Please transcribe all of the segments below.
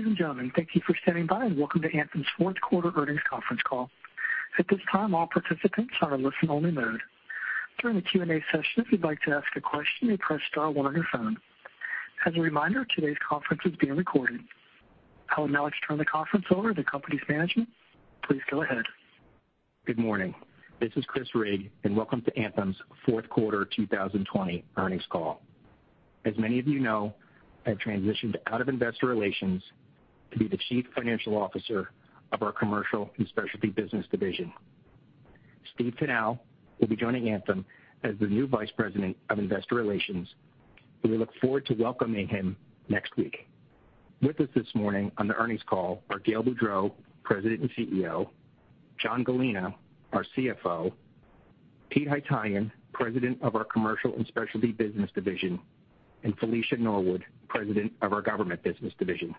Ladies and gentlemen, thank you for standing by and welcome to Anthem's fourth quarter earnings conference call. At this time, all participants are in listen only mode. During the Q&A session, if you'd like to ask a question, you press star one on your phone. As a reminder, today's conference is being recorded. I will now like to turn the conference over to the company's management. Please go ahead. Good morning. This is Chris Rigg, and welcome to Anthem's fourth quarter 2020 earnings call. As many of you know, I've transitioned out of investor relations to be the chief financial officer of our Commercial and Specialty Business Division. Steve Tanal will be joining Anthem as the new vice president of investor relations, and we look forward to welcoming him next week. With us this morning on the earnings call are Gail Boudreaux, President and CEO, John Gallina, our CFO, Pete Haytaian, President of our Commercial and Specialty Business Division, and Felicia Norwood, President of our Government Business Division.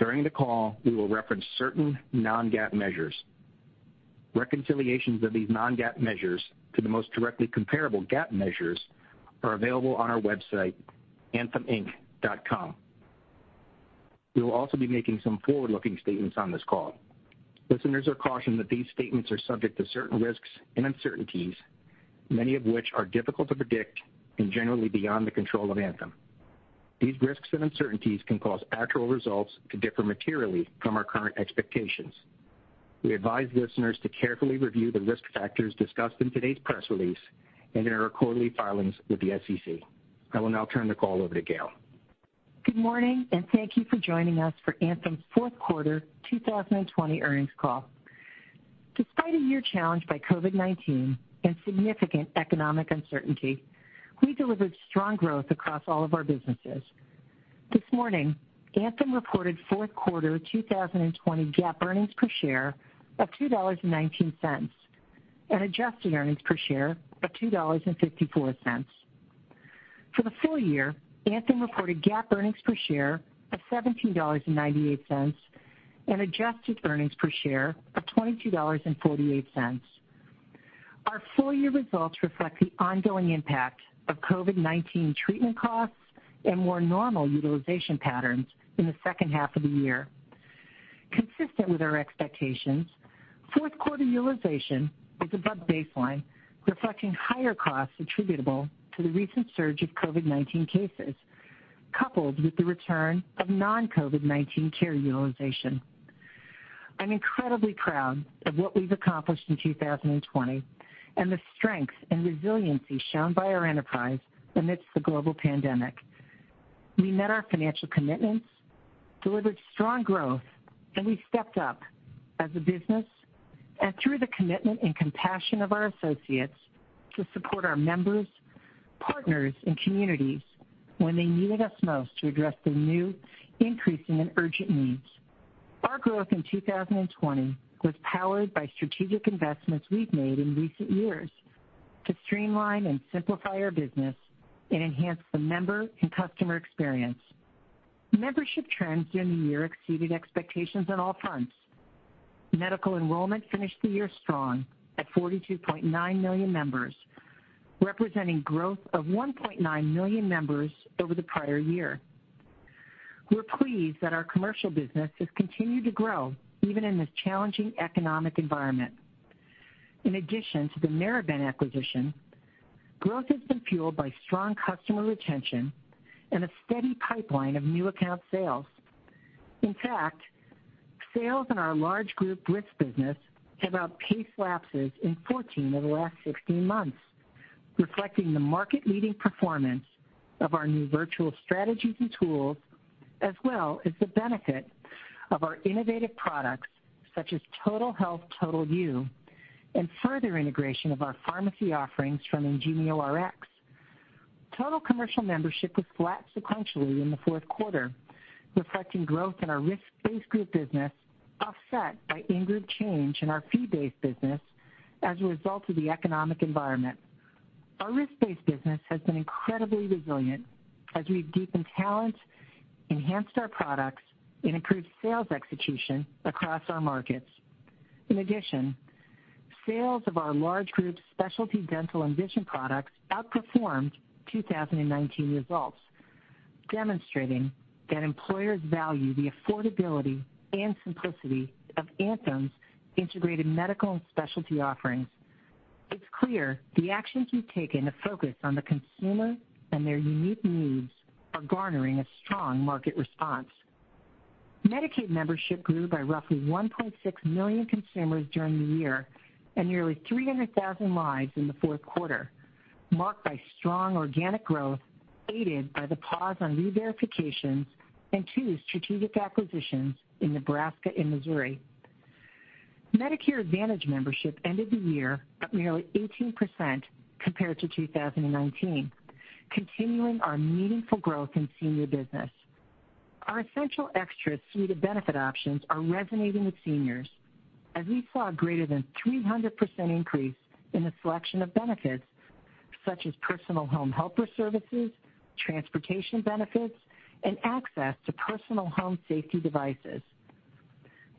During the call, we will reference certain non-GAAP measures. Reconciliations of these non-GAAP measures to the most directly comparable GAAP measures are available on our website, antheminc.com. We will also be making some forward-looking statements on this call. Listeners are cautioned that these statements are subject to certain risks and uncertainties, many of which are difficult to predict and generally beyond the control of Anthem. These risks and uncertainties can cause actual results to differ materially from our current expectations. We advise listeners to carefully review the risk factors discussed in today's press release and in our quarterly filings with the SEC. I will now turn the call over to Gail. Good morning, thank you for joining us for Anthem's fourth quarter 2020 earnings call. Despite a year challenged by COVID-19 and significant economic uncertainty, we delivered strong growth across all of our businesses. This morning, Anthem reported fourth quarter 2020 GAAP earnings per share of $2.19 and adjusted earnings per share of $2.54. For the full year, Anthem reported GAAP earnings per share of $17.98 and adjusted earnings per share of $22.48. Our full year results reflect the ongoing impact of COVID-19 treatment costs and more normal utilization patterns in the second half of the year. Consistent with our expectations, fourth quarter utilization was above baseline, reflecting higher costs attributable to the recent surge of COVID-19 cases, coupled with the return of non-COVID-19 care utilization. I'm incredibly proud of what we've accomplished in 2020 and the strength and resiliency shown by our enterprise amidst the global pandemic. We met our financial commitments, delivered strong growth, we stepped up as a business and through the commitment and compassion of our associates to support our members, partners, and communities when they needed us most to address their new, increasing, and urgent needs. Our growth in 2020 was powered by strategic investments we've made in recent years to streamline and simplify our business and enhance the member and customer experience. Membership trends during the year exceeded expectations on all fronts. Medical enrollment finished the year strong at 42.9 million members, representing growth of 1.9 million members over the prior year. We're pleased that our commercial business has continued to grow even in this challenging economic environment. In addition to the AmeriBen acquisition, growth has been fueled by strong customer retention and a steady pipeline of new account sales. In fact, sales in our large group risk business have outpaced lapses in 14 of the last 16 months, reflecting the market-leading performance of our new virtual strategies and tools, as well as the benefit of our innovative products such as Total Health, Total You, and further integration of our pharmacy offerings from IngenioRx. Total commercial membership was flat sequentially in the fourth quarter, reflecting growth in our risk-based group business offset by in-group change in our fee-based business as a result of the economic environment. Our risk-based business has been incredibly resilient as we've deepened talent, enhanced our products, and improved sales execution across our markets. Sales of our large group specialty dental and vision products outperformed 2019 results, demonstrating that employers value the affordability and simplicity of Anthem's integrated medical and specialty offerings. It's clear the actions we've taken to focus on the consumer and their unique needs are garnering a strong market response. Medicaid membership grew by roughly 1.6 million consumers during the year and nearly 300,000 lives in the fourth quarter, marked by strong organic growth aided by the pause on re-verifications and two strategic acquisitions in Nebraska and Missouri. Medicare Advantage membership ended the year up nearly 18% compared to 2019, continuing our meaningful growth in senior business. Our Essential Extras suite of benefit options are resonating with seniors, as we saw a greater than 300% increase in the selection of benefits such as personal home helper services, transportation benefits, and access to personal home safety devices.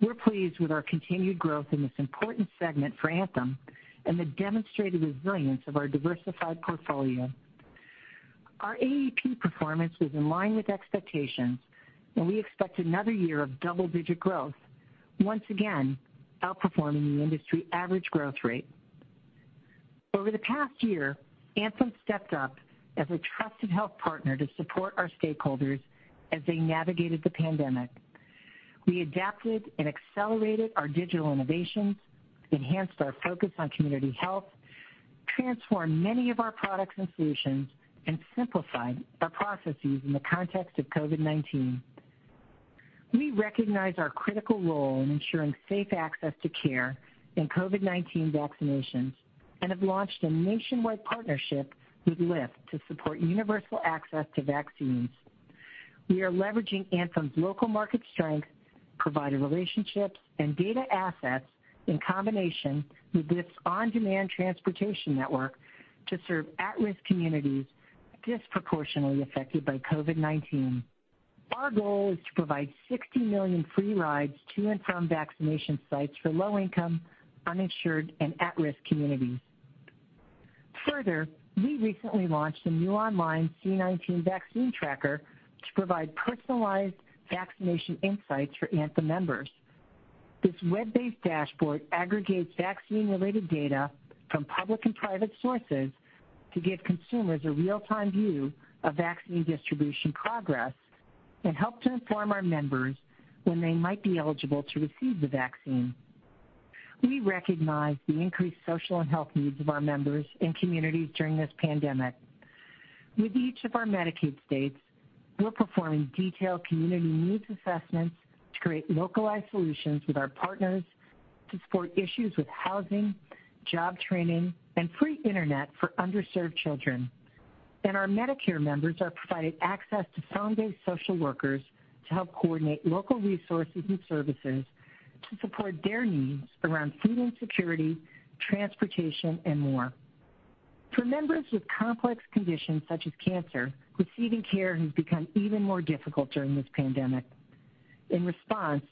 We're pleased with our continued growth in this important segment for Anthem and the demonstrated resilience of our diversified portfolio. Our AEP performance was in line with expectations. We expect another year of double-digit growth, once again outperforming the industry average growth rate. Over the past year, Anthem stepped up as a trusted health partner to support our stakeholders as they navigated the pandemic. We adapted and accelerated our digital innovations, enhanced our focus on community health, transformed many of our products and solutions, and simplified our processes in the context of COVID-19. We recognize our critical role in ensuring safe access to care and COVID-19 vaccinations and have launched a nationwide partnership with Lyft to support universal access to vaccines. We are leveraging Anthem's local market strength, provider relationships, and data assets in combination with Lyft's on-demand transportation network to serve at-risk communities disproportionately affected by COVID-19. Our goal is to provide 60 million free rides to and from vaccination sites for low income, uninsured, and at-risk communities. Further, we recently launched a new online C-19 vaccine tracker to provide personalized vaccination insights for Anthem members. This web-based dashboard aggregates vaccine related data from public and private sources to give consumers a real-time view of vaccine distribution progress and help to inform our members when they might be eligible to receive the vaccine. We recognize the increased social and health needs of our members and communities during this pandemic. With each of our Medicaid states, we're performing detailed community needs assessments to create localized solutions with our partners to support issues with housing, job training, and free internet for underserved children. Our Medicare members are provided access to phone-based social workers to help coordinate local resources and services to support their needs around food insecurity, transportation, and more. For members with complex conditions such as cancer, receiving care has become even more difficult during this pandemic. In response,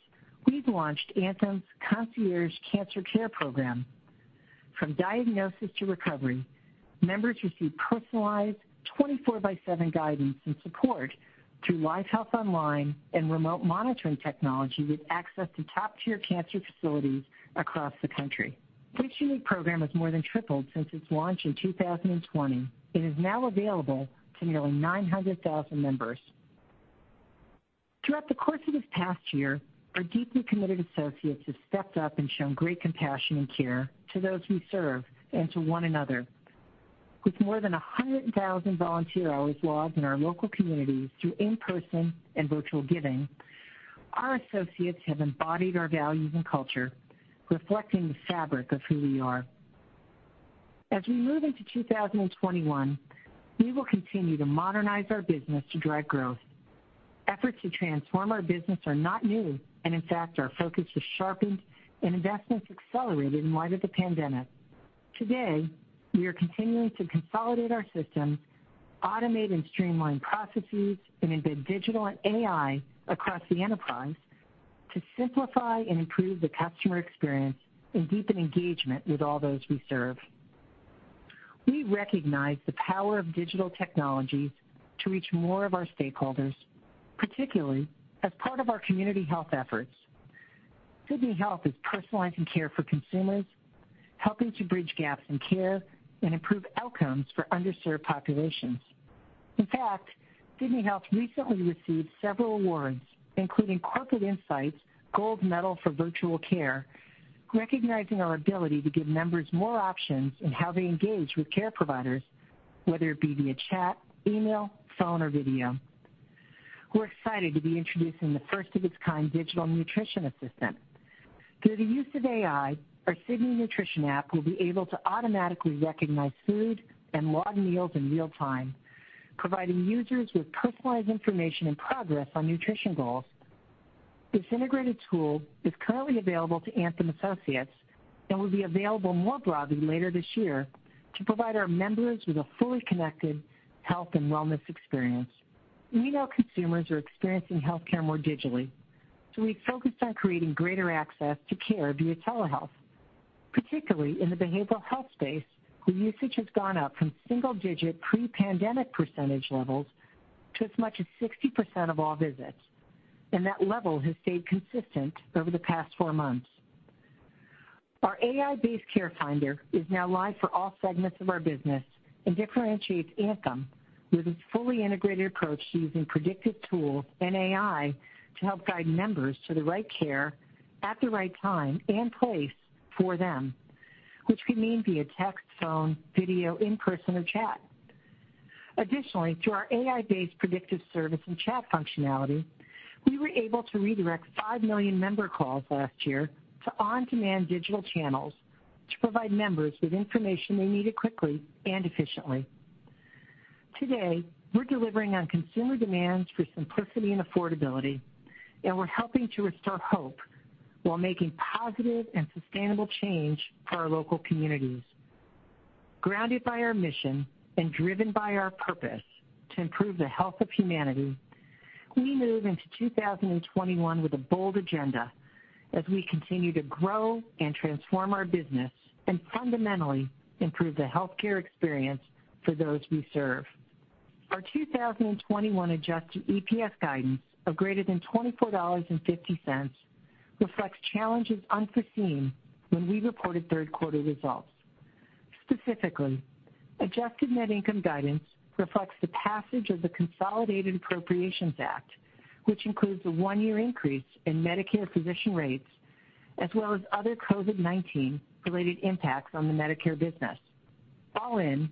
we've launched Anthem's Concierge Cancer Care program. From diagnosis to recovery, members receive personalized 24 by 7 guidance and support through LiveHealth Online and remote monitoring technology with access to top-tier cancer facilities across the country. This unique program has more than tripled since its launch in 2020. It is now available to nearly 900,000 members. Throughout the course of this past year, our deeply committed associates have stepped up and shown great compassion and care to those we serve and to one another. With more than 100,000 volunteer hours logged in our local communities through in-person and virtual giving, our associates have embodied our values and culture, reflecting the fabric of who we are. As we move into 2021, we will continue to modernize our business to drive growth. Efforts to transform our business are not new. In fact, our focus has sharpened and investments accelerated in light of the pandemic. Today, we are continuing to consolidate our systems, automate and streamline processes, and embed digital and AI across the enterprise to simplify and improve the customer experience and deepen engagement with all those we serve. We recognize the power of digital technologies to reach more of our stakeholders, particularly as part of our community health efforts. Sydney Health is personalizing care for consumers, helping to bridge gaps in care, and improve outcomes for underserved populations. In fact, Sydney Health recently received several awards, including Corporate Insight's Gold Medal for Virtual Care, recognizing our ability to give members more options in how they engage with care providers, whether it be via chat, email, phone, or video. We're excited to be introducing the first of its kind digital nutrition assistant. Through the use of AI, our Sydney Nutrition app will be able to automatically recognize food and log meals in real time, providing users with personalized information and progress on nutrition goals. This integrated tool is currently available to Anthem associates and will be available more broadly later this year to provide our members with a fully connected health and wellness experience. We know consumers are experiencing healthcare more digitally, so we focused on creating greater access to care via telehealth, particularly in the behavioral health space where usage has gone up from single-digit pre-pandemic percentage levels to as much as 60% of all visits, and that level has stayed consistent over the past four months. Our AI-based Care Guide is now live for all segments of our business and differentiates Anthem with its fully integrated approach to using predictive tools and AI to help guide members to the right care at the right time and place for them, which can mean via text, phone, video, in person, or chat. Additionally, through our AI-based predictive service and chat functionality, we were able to redirect 5 million member calls last year to on-demand digital channels to provide members with information they needed quickly and efficiently. Today, we're delivering on consumer demands for simplicity and affordability, and we're helping to restore hope while making positive and sustainable change for our local communities. Grounded by our mission and driven by our purpose to improve the health of humanity, we move into 2021 with a bold agenda as we continue to grow and transform our business and fundamentally improve the healthcare experience for those we serve. Our 2021 adjusted EPS guidance of greater than $24.50 reflects challenges unforeseen when we reported third-quarter results. Specifically, adjusted net income guidance reflects the passage of the Consolidated Appropriations Act, which includes a one-year increase in Medicare physician rates, as well as other COVID-19 related impacts on the Medicare business. All in,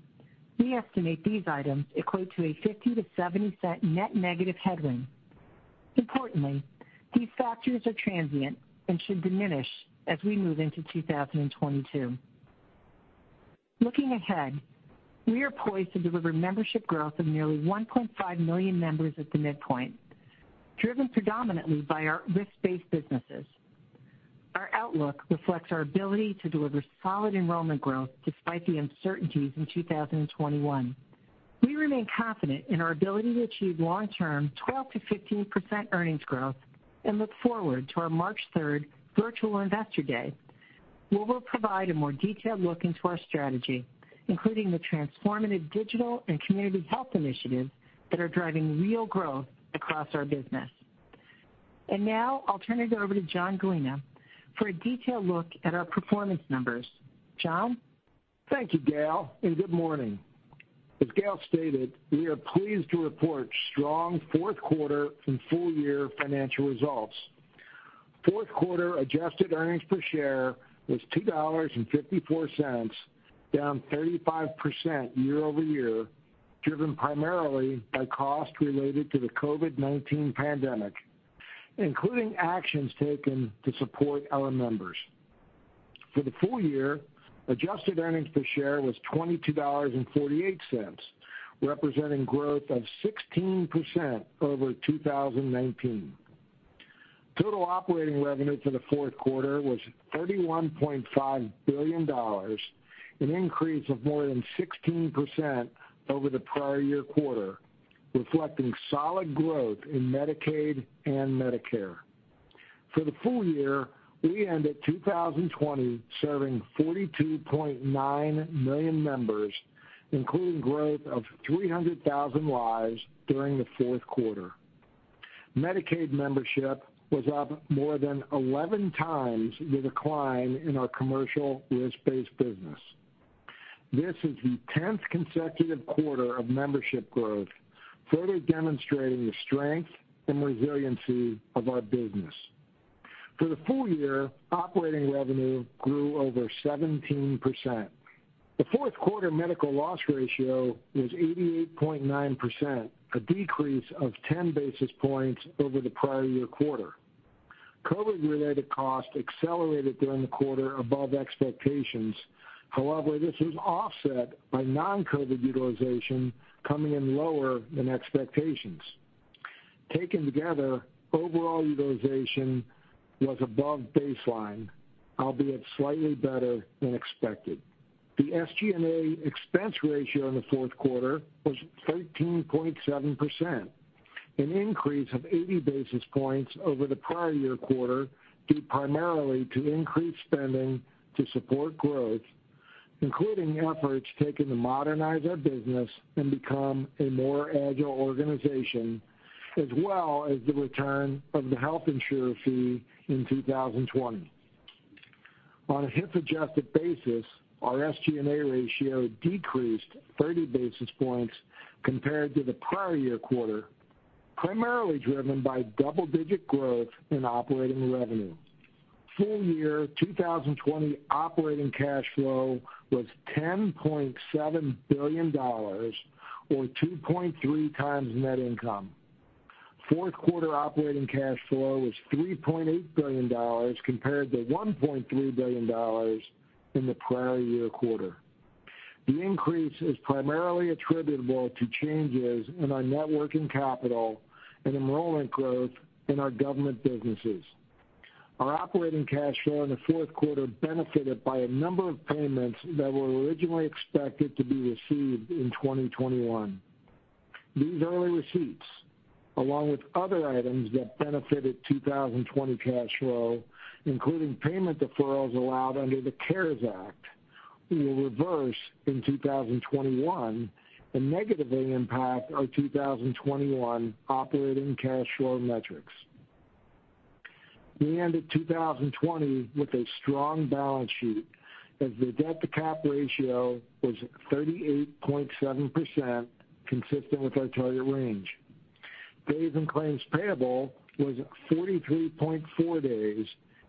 we estimate these items equate to a $0.50-$0.70 net negative headwind. Importantly, these factors are transient and should diminish as we move into 2022. Looking ahead, we are poised to deliver membership growth of nearly 1.5 million members at the midpoint, driven predominantly by our risk-based businesses. Our outlook reflects our ability to deliver solid enrollment growth despite the uncertainties in 2021. We remain confident in our ability to achieve long-term 12%-15% earnings growth and look forward to our March 3rd virtual investor day, where we'll provide a more detailed look into our strategy, including the transformative digital and community health initiatives that are driving real growth across our business. Now I'll turn it over to John Gallina for a detailed look at our performance numbers. John? Thank you, Gail. Good morning. As Gail stated, we are pleased to report strong fourth quarter and full year financial results. Fourth quarter adjusted earnings per share was $2.54, down 35% year-over-year, driven primarily by costs related to the COVID-19 pandemic, including actions taken to support our members. For the full year, adjusted earnings per share was $22.48, representing growth of 16% over 2019. Total operating revenue for the fourth quarter was $31.5 billion, an increase of more than 16% over the prior year quarter, reflecting solid growth in Medicaid and Medicare. For the full year, we ended 2020 serving 42.9 million members, including growth of 300,000 lives during the fourth quarter. Medicaid membership was up more than 11 times the decline in our commercial fee-based business. This is the 10th consecutive quarter of membership growth, further demonstrating the strength and resiliency of our business. For the full year, operating revenue grew over 17%. The fourth quarter medical loss ratio was 88.9%, a decrease of 10 basis points over the prior year quarter. COVID-19 related costs accelerated during the quarter above expectations. However, this was offset by non-COVID-19 utilization coming in lower than expectations. Taken together, overall utilization was above baseline, albeit slightly better than expected. The SG&A expense ratio in the fourth quarter was 13.7%, an increase of 80 basis points over the prior year quarter, due primarily to increased spending to support growth, including efforts taken to modernize our business and become a more agile organization, as well as the return of the health insurer fee in 2020. On a HIF adjusted basis, our SG&A ratio decreased 30 basis points compared to the prior year quarter, primarily driven by double-digit growth in operating revenue. Full year 2020 operating cash flow was $10.7 billion, or 2.3 times net income. Fourth quarter operating cash flow was $3.8 billion compared to $1.3 billion in the prior year quarter. The increase is primarily attributable to changes in our net working capital and enrollment growth in our government businesses. Our operating cash flow in the fourth quarter benefited by a number of payments that were originally expected to be received in 2021. These early receipts, along with other items that benefited 2020 cash flow, including payment deferrals allowed under the CARES Act, will reverse in 2021 and negatively impact our 2021 operating cash flow metrics. We ended 2020 with a strong balance sheet, as the debt to cap ratio was 38.7%, consistent with our target range. Days in claims payable was 43.4 days,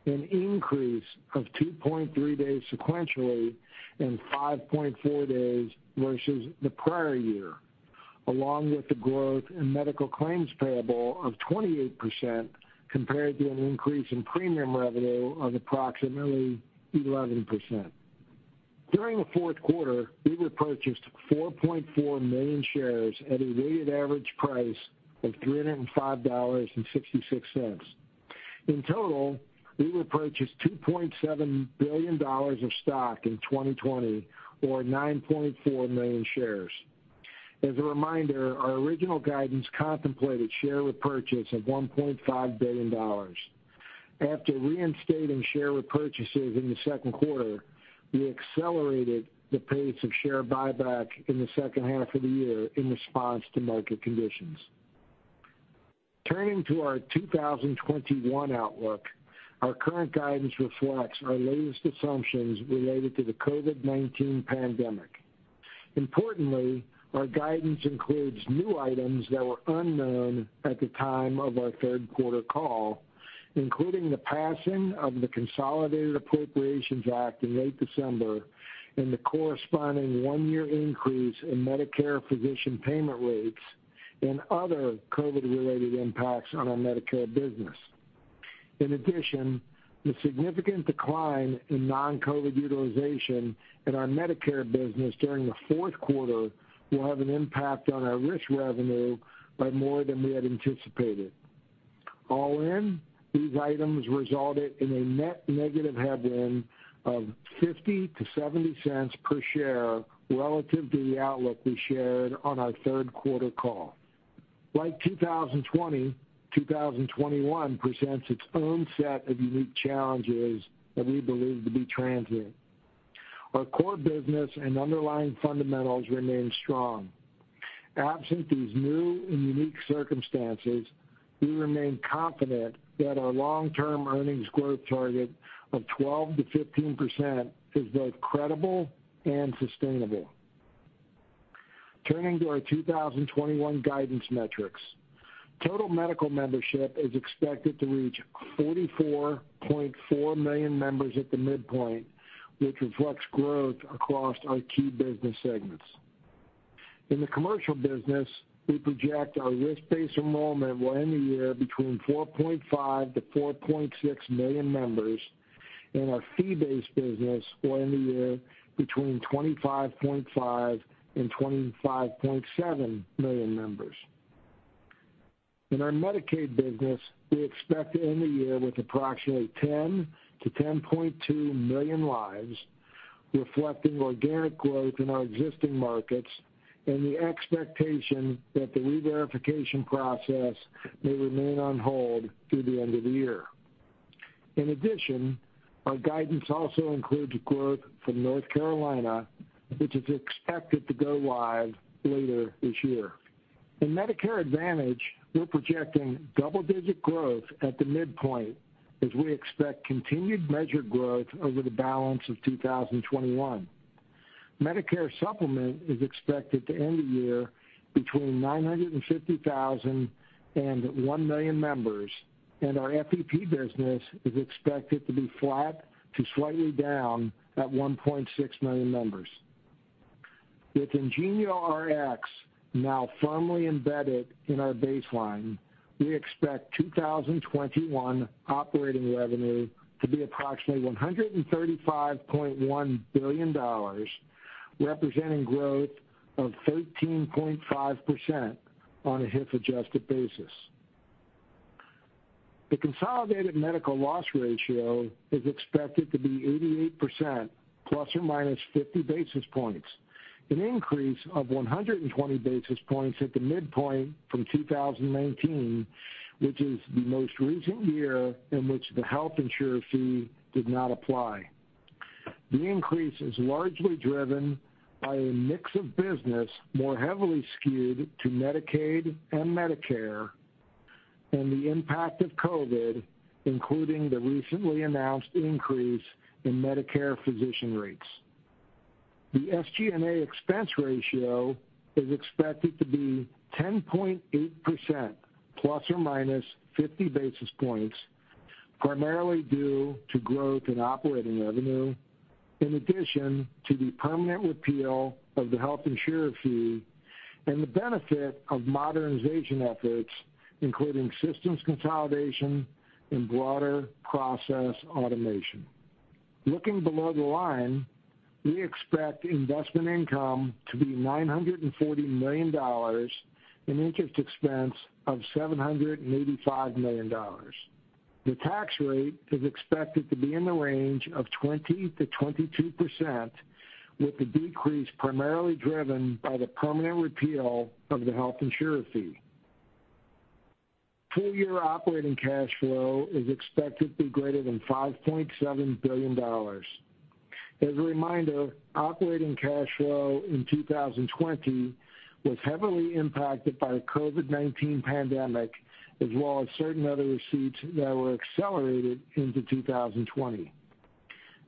an increase of 2.3 days sequentially and 5.4 days versus the prior year. Along with the growth in medical claims payable of 28% compared to an increase in premium revenue of approximately 11%. During the fourth quarter, we repurchased 4.4 million shares at a weighted average price of $305.66. In total, we repurchased $2.7 billion of stock in 2020 or 9.4 million shares. As a reminder, our original guidance contemplated share repurchase of $1.5 billion. After reinstating share repurchases in the second quarter, we accelerated the pace of share buyback in the second half of the year in response to market conditions. Turning to our 2021 outlook, our current guidance reflects our latest assumptions related to the COVID-19 pandemic. Importantly, our guidance includes new items that were unknown at the time of our third quarter call, including the passing of the Consolidated Appropriations Act in late December and the corresponding one-year increase in Medicare physician payment rates and other COVID-related impacts on our Medicare business. In addition, the significant decline in non-COVID utilization in our Medicare business during the fourth quarter will have an impact on our risk revenue by more than we had anticipated. All in, these items resulted in a net negative headwind of $0.50-$0.70 per share relative to the outlook we shared on our third quarter call. Like 2020, 2021 presents its own set of unique challenges that we believe to be transient. Our core business and underlying fundamentals remain strong. Absent these new and unique circumstances, we remain confident that our long-term earnings growth target of 12%-15% is both credible and sustainable. Turning to our 2021 guidance metrics. Total medical membership is expected to reach 44.4 million members at the midpoint, which reflects growth across our key business segments. In the commercial business, we project our risk-based enrollment will end the year between 4.5 million-4.6 million members, and our fee-based business will end the year between 25.5 million and 25.7 million members. In our Medicaid business, we expect to end the year with approximately 10 million-10.2 million lives, reflecting organic growth in our existing markets and the expectation that the reverification process may remain on hold through the end of the year. In addition, our guidance also includes growth from North Carolina, which is expected to go live later this year. In Medicare Advantage, we're projecting double-digit growth at the midpoint as we expect continued measured growth over the balance of 2021. Medicare Supplement is expected to end the year between 950,000 and 1 million members, and our FEP business is expected to be flat to slightly down at 1.6 million members. With IngenioRx now firmly embedded in our baseline, we expect 2021 operating revenue to be approximately $135.1 billion, representing growth of 13.5% on a HIF-adjusted basis. The consolidated medical loss ratio is expected to be 88% ±50 basis points, an increase of 120 basis points at the midpoint from 2019, which is the most recent year in which the health insurer fee did not apply. The increase is largely driven by a mix of business more heavily skewed to Medicaid and Medicare and the impact of COVID, including the recently announced increase in Medicare physician rates. The SG&A expense ratio is expected to be 10.8%, ±50 basis points, primarily due to growth in operating revenue. In addition to the permanent repeal of the health insurer fee and the benefit of modernization efforts, including systems consolidation and broader process automation. Looking below the line, we expect investment income to be $940 million and interest expense of $785 million. The tax rate is expected to be in the range of 20%-22%, with the decrease primarily driven by the permanent repeal of the health insurer fee. Full-year operating cash flow is expected to be greater than $5.7 billion. As a reminder, operating cash flow in 2020 was heavily impacted by the COVID-19 pandemic as well as certain other receipts that were accelerated into 2020.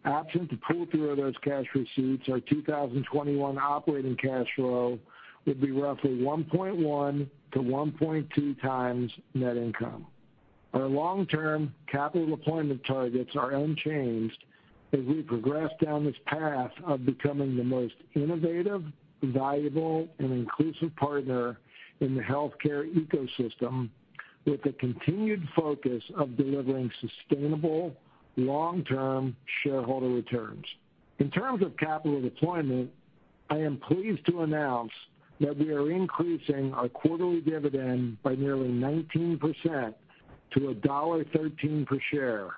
Absent the pull-through of those cash receipts, our 2021 operating cash flow would be roughly 1.1 to 1.2 times net income. Our long-term capital deployment targets are unchanged as we progress down this path of becoming the most innovative, valuable, and inclusive partner in the healthcare ecosystem with a continued focus of delivering sustainable long-term shareholder returns. In terms of capital deployment, I am pleased to announce that we are increasing our quarterly dividend by nearly 19% to $1.13 per share,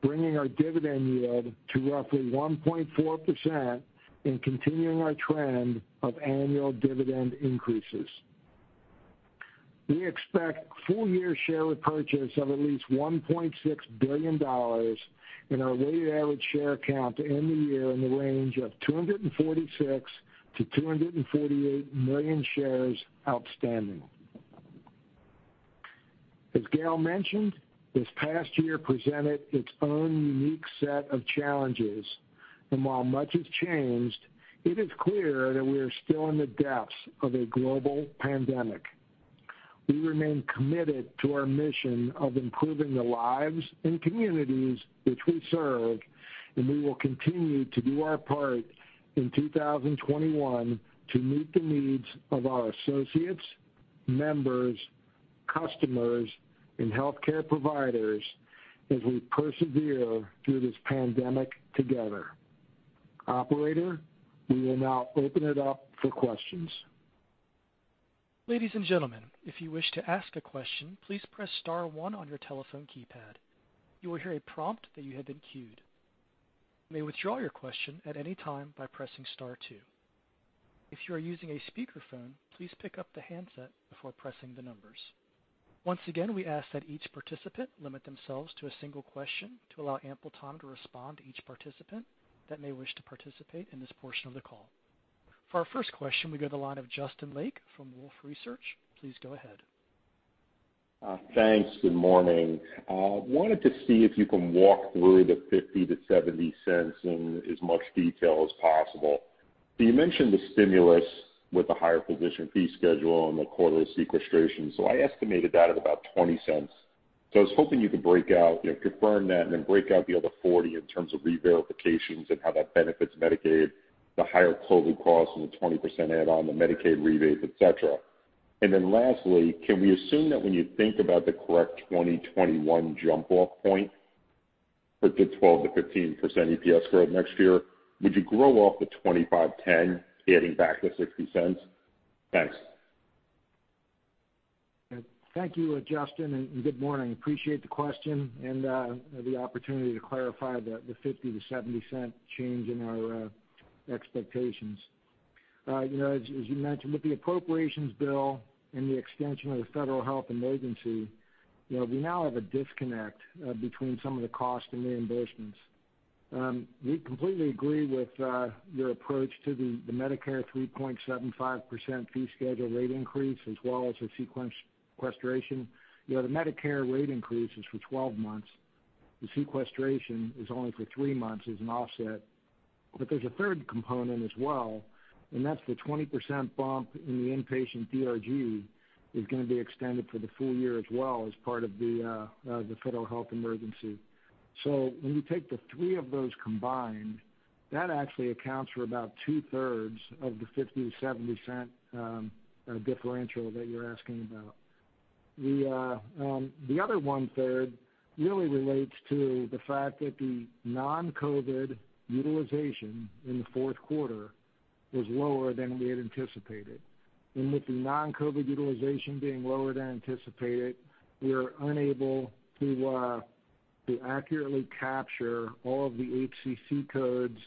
bringing our dividend yield to roughly 1.4% and continuing our trend of annual dividend increases. We expect full year share repurchase of at least $1.6 billion, and our weighted average share count to end the year in the range of 246 to 248 million shares outstanding. As Gail mentioned, this past year presented its own unique set of challenges. While much has changed, it is clear that we are still in the depths of a global pandemic. We remain committed to our mission of improving the lives and communities which we serve. We will continue to do our part in 2021 to meet the needs of our associates, members, customers, and healthcare providers as we persevere through this pandemic together. Operator, we will now open it up for questions. Ladies and gentlemen, if you wish to ask a question, please press star one on your telephone keypad. You will hear a prompt that you have been queued. You may withdraw your question at any time by pressing star two. If you are using a speakerphone, please pick up the handset before pressing the numbers. Once again, we ask that each participant limit themselves to a single question to allow ample time to respond to each participant that may wish to participate in this portion of the call. For our first question, we go to the line of Justin Lake from Wolfe Research. Please go ahead. Thanks. Good morning. Wanted to see if you can walk through the $0.50-$0.70 in as much detail as possible. You mentioned the stimulus with the higher physician fee schedule and the quarterly sequestration, I estimated that at about $0.20. I was hoping you could confirm that, and then break out the other $0.40 in terms of reverifications and how that benefits Medicaid, the higher total cost and the 20% add-on, the Medicaid rebates, et cetera. Lastly, can we assume that when you think about the correct 2021 jump-off point for the 12%-15% EPS growth next year, would you grow off the $25.10, adding back the $0.60? Thanks. Thank you, Justin. Good morning. Appreciate the question and the opportunity to clarify the $0.50-$0.70 change in our expectations. As you mentioned, with the appropriations bill and the extension of the federal health emergency, we now have a disconnect between some of the cost and reimbursements. We completely agree with your approach to the Medicare 3.75% fee schedule rate increase as well as the sequestration. The Medicare rate increase is for 12 months. The sequestration is only for three months as an offset. There's a third component as well, and that's the 20% bump in the inpatient DRG is going to be extended for the full year as well as part of the federal health emergency. When you take the three of those combined, that actually accounts for about two-thirds of the $0.50-$0.70 differential that you're asking about. The other one-third really relates to the fact that the non-COVID utilization in the fourth quarter was lower than we had anticipated. With the non-COVID utilization being lower than anticipated, we are unable to accurately capture all of the HCC codes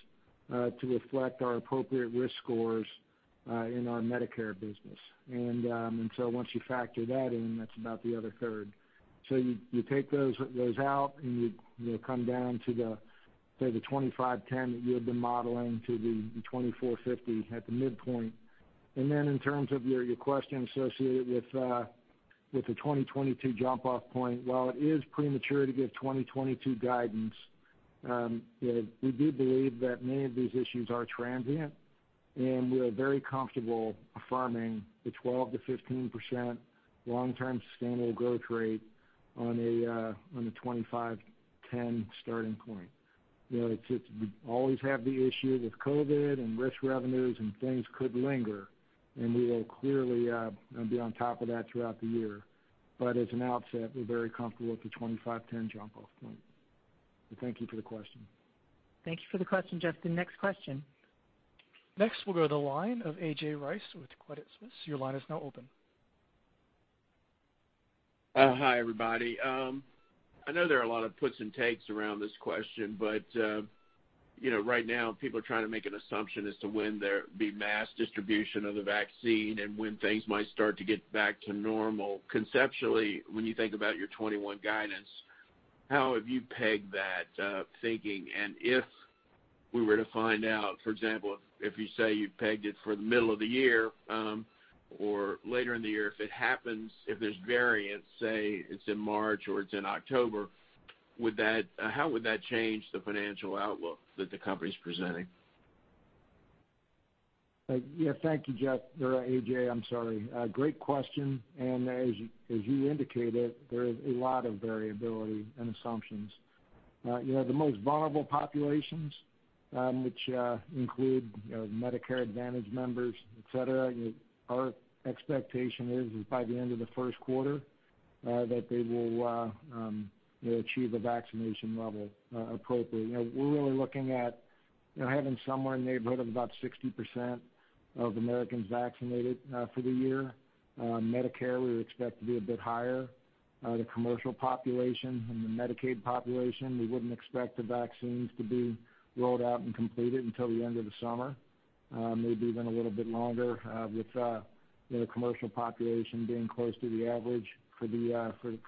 to reflect our appropriate risk scores in our Medicare business. Once you factor that in, that's about the other third. You take those out, and you come down to the $25.10 that you had been modeling to the $24.50 at the midpoint. In terms of your question associated with the 2022 jump-off point. While it is premature to give 2022 guidance, we do believe that many of these issues are transient, and we're very comfortable affirming the 12% to 15% long-term sustainable growth rate on a $25.10 starting point. We always have the issue with COVID and risk revenues and things could linger. We will clearly be on top of that throughout the year. As an outset, we're very comfortable with the $25.10 jump-off point. Thank you for the question. Thank you for the question, Justin. Next question. Next we'll go to the line of A.J. Rice with Credit Suisse. Your line is now open. Hi, everybody. I know there are a lot of puts and takes around this question, but right now, people are trying to make an assumption as to when there be mass distribution of the vaccine and when things might start to get back to normal. Conceptually, when you think about your 2021 guidance, how have you pegged that thinking, and if we were to find out, for example, if you say you pegged it for the middle of the year or later in the year, if it happens, if there's variance, say it's in March or it's in October, how would that change the financial outlook that the company's presenting? Yeah. Thank you, A.J. Rice. Great question, as you indicated, there is a lot of variability and assumptions. The most vulnerable populations, which include Medicare Advantage members, et cetera, our expectation is by the end of the first quarter. They will achieve a vaccination level appropriately. We're really looking at having somewhere in the neighborhood of about 60% of Americans vaccinated for the year. Medicare, we would expect to be a bit higher. The commercial population and the Medicaid population, we wouldn't expect the vaccines to be rolled out and completed until the end of the summer, maybe even a little bit longer, with the commercial population being close to the average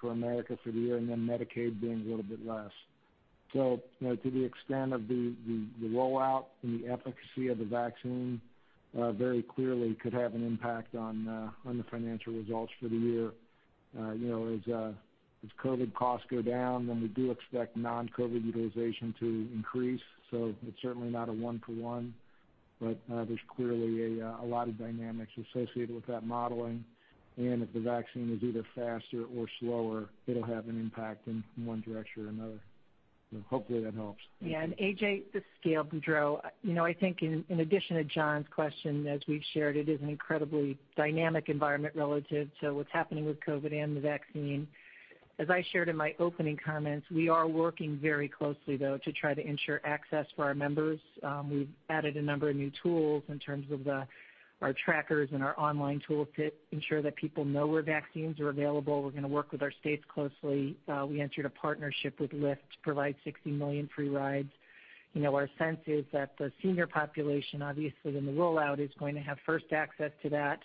for America for the year, Medicaid being a little bit less. To the extent of the rollout and the efficacy of the vaccine very clearly could have an impact on the financial results for the year. As COVID costs go down, then we do expect non-COVID utilization to increase. It's certainly not a one-to-one, but there's clearly a lot of dynamics associated with that modeling. If the vaccine is either faster or slower, it'll have an impact in one direction or another. Hopefully that helps. Yeah. A.J., this is Gail Boudreaux. I think in addition to John's question, as we've shared, it is an incredibly dynamic environment relative to what's happening with COVID and the vaccine. As I shared in my opening comments, we are working very closely, though, to try to ensure access for our members. We've added a number of new tools in terms of our trackers and our online tools to ensure that people know where vaccines are available. We're going to work with our states closely. We entered a partnership with Lyft to provide 60 million free rides. Our sense is that the senior population, obviously, in the rollout, is going to have first access to that,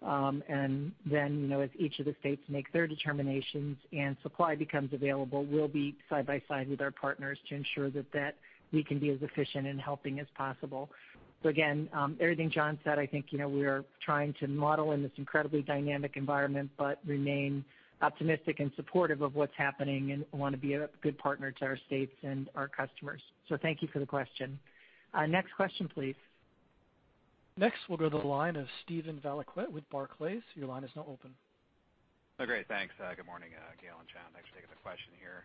and then as each of the states make their determinations and supply becomes available, we'll be side by side with our partners to ensure that we can be as efficient in helping as possible. Again, everything John said, I think we are trying to model in this incredibly dynamic environment, but remain optimistic and supportive of what's happening and want to be a good partner to our states and our customers. Thank you for the question. Next question, please. Next, we'll go to the line of Steven Valiquette with Barclays. Your line is now open. Great. Thanks. Good morning, Gail and John. Thanks for taking the question here.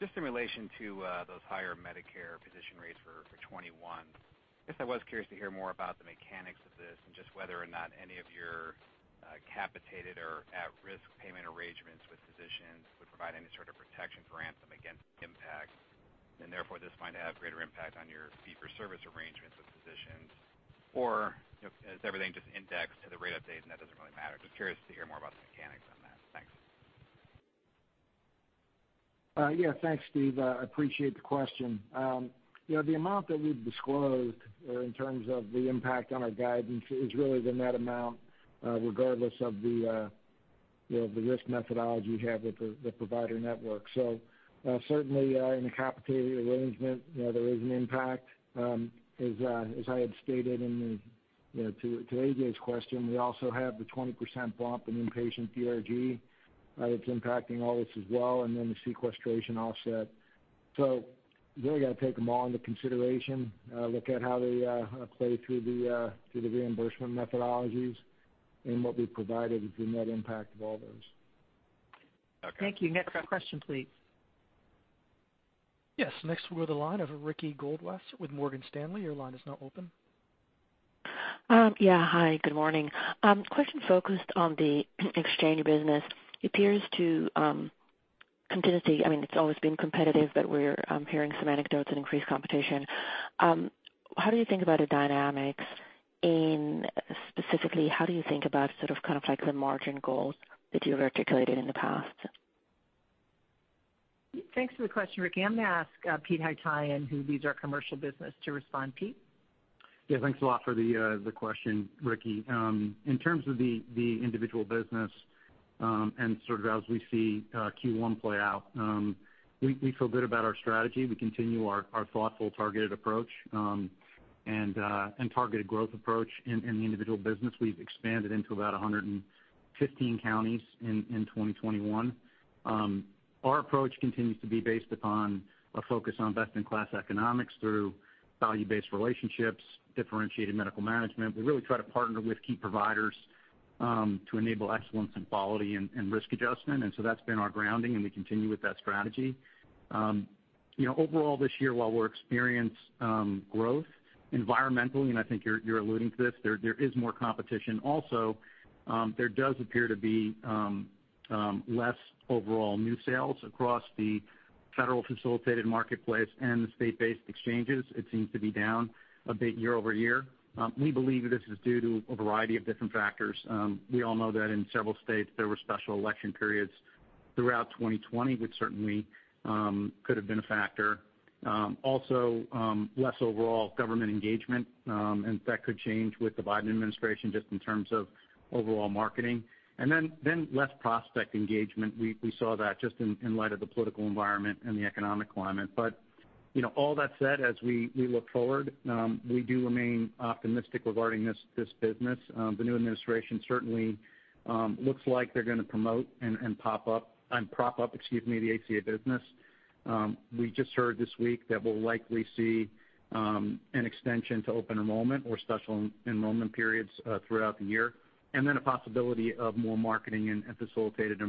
Just in relation to those higher Medicare physician rates for 2021, I guess I was curious to hear more about the mechanics of this and just whether or not any of your capitated or at-risk payment arrangements with physicians would provide any sort of protection for Anthem against impact, and therefore, this is going to have greater impact on your fee for service arrangements with physicians. Is everything just indexed to the rate update and that doesn't really matter? Just curious to hear more about the mechanics on that. Thanks. Yeah. Thanks, Steven. I appreciate the question. The amount that we've disclosed in terms of the impact on our guidance is really the net amount, regardless of the risk methodology you have with the provider network. So certainly, in a capitated arrangement, there is an impact. As I had stated to A.J.'s question, we also have the 20% bump in inpatient DRG that's impacting all this as well, and then the sequestration offset. So really got to take them all into consideration, look at how they play through the reimbursement methodologies, and what we provided is the net impact of all those. Okay. Thank you. Next question, please. Yes. Next we're with the line of Ricky Goldwasser with Morgan Stanley. Your line is now open. Yeah. Hi, good morning. Question focused on the exchange business. It appears it's always been competitive, but we're hearing some anecdotes of increased competition. How do you think about the dynamics, and specifically, how do you think about sort of kind of like the margin goals that you've articulated in the past? Thanks for the question, Ricky. I'm going to ask Pete Haytaian, who leads our commercial business, to respond. Pete? Yeah. Thanks a lot for the question, Ricky. In terms of the individual business, and sort of as we see Q1 play out, we feel good about our strategy. We continue our thoughtful, targeted approach and targeted growth approach in the individual business. We've expanded into about 115 counties in 2021. Our approach continues to be based upon a focus on best-in-class economics through value-based relationships, differentiated medical management. We really try to partner with key providers to enable excellence in quality and risk adjustment. That's been our grounding, and we continue with that strategy. Overall this year, while we experience growth environmentally, and I think you're alluding to this, there is more competition also. There does appear to be less overall new sales across the federally facilitated marketplace and the state-based exchanges. It seems to be down a bit year-over-year. We believe this is due to a variety of different factors. We all know that in several states, there were special election periods throughout 2020, which certainly could have been a factor. Less overall government engagement, and that could change with the Biden administration just in terms of overall marketing. Less prospect engagement. We saw that just in light of the political environment and the economic climate. All that said, as we look forward, we do remain optimistic regarding this business. The new administration certainly looks like they're going to prop up the ACA business. We just heard this week that we'll likely see an extension to open enrollment or special enrollment periods throughout the year, and then a possibility of more marketing and facilitated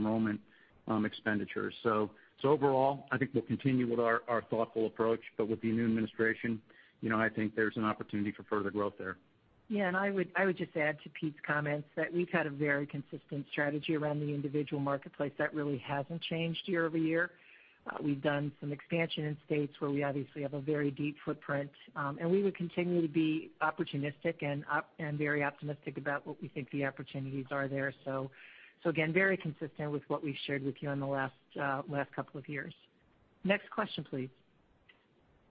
enrollment. Expenditures. Overall, I think we'll continue with our thoughtful approach, but with the new administration, I think there's an opportunity for further growth there. I would just add to Pete's comments that we've had a very consistent strategy around the individual marketplace that really hasn't changed year-over-year. We've done some expansion in states where we obviously have a very deep footprint. We would continue to be opportunistic and very optimistic about what we think the opportunities are there. Again, very consistent with what we've shared with you in the last couple of years. Next question, please.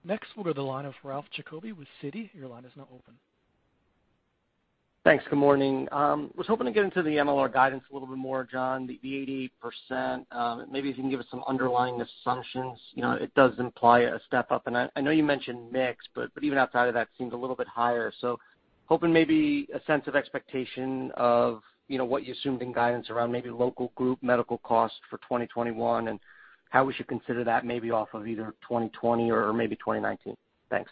Next, we'll go to the line of Ralph Giacobbe with Citi. Your line is now open. Thanks. Good morning. I was hoping to get into the MLR guidance a little bit more, John, the 88%. Maybe if you can give us some underlying assumptions. It does imply a step up. I know you mentioned mix, but even outside of that seemed a little bit higher. Hoping maybe a sense of expectation of what you assumed in guidance around maybe local group medical costs for 2021, and how we should consider that maybe off of either 2020 or maybe 2019. Thanks.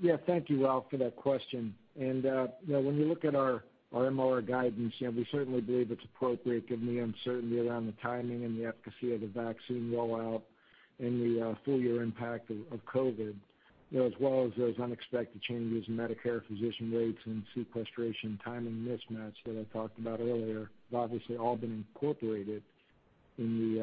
Yeah, thank you, Ralph, for that question. When we look at our MLR guidance, we certainly believe it's appropriate given the uncertainty around the timing and the efficacy of the vaccine rollout and the full year impact of COVID, as well as those unexpected changes in Medicare physician rates and sequestration timing mismatch that I talked about earlier. They've obviously all been incorporated in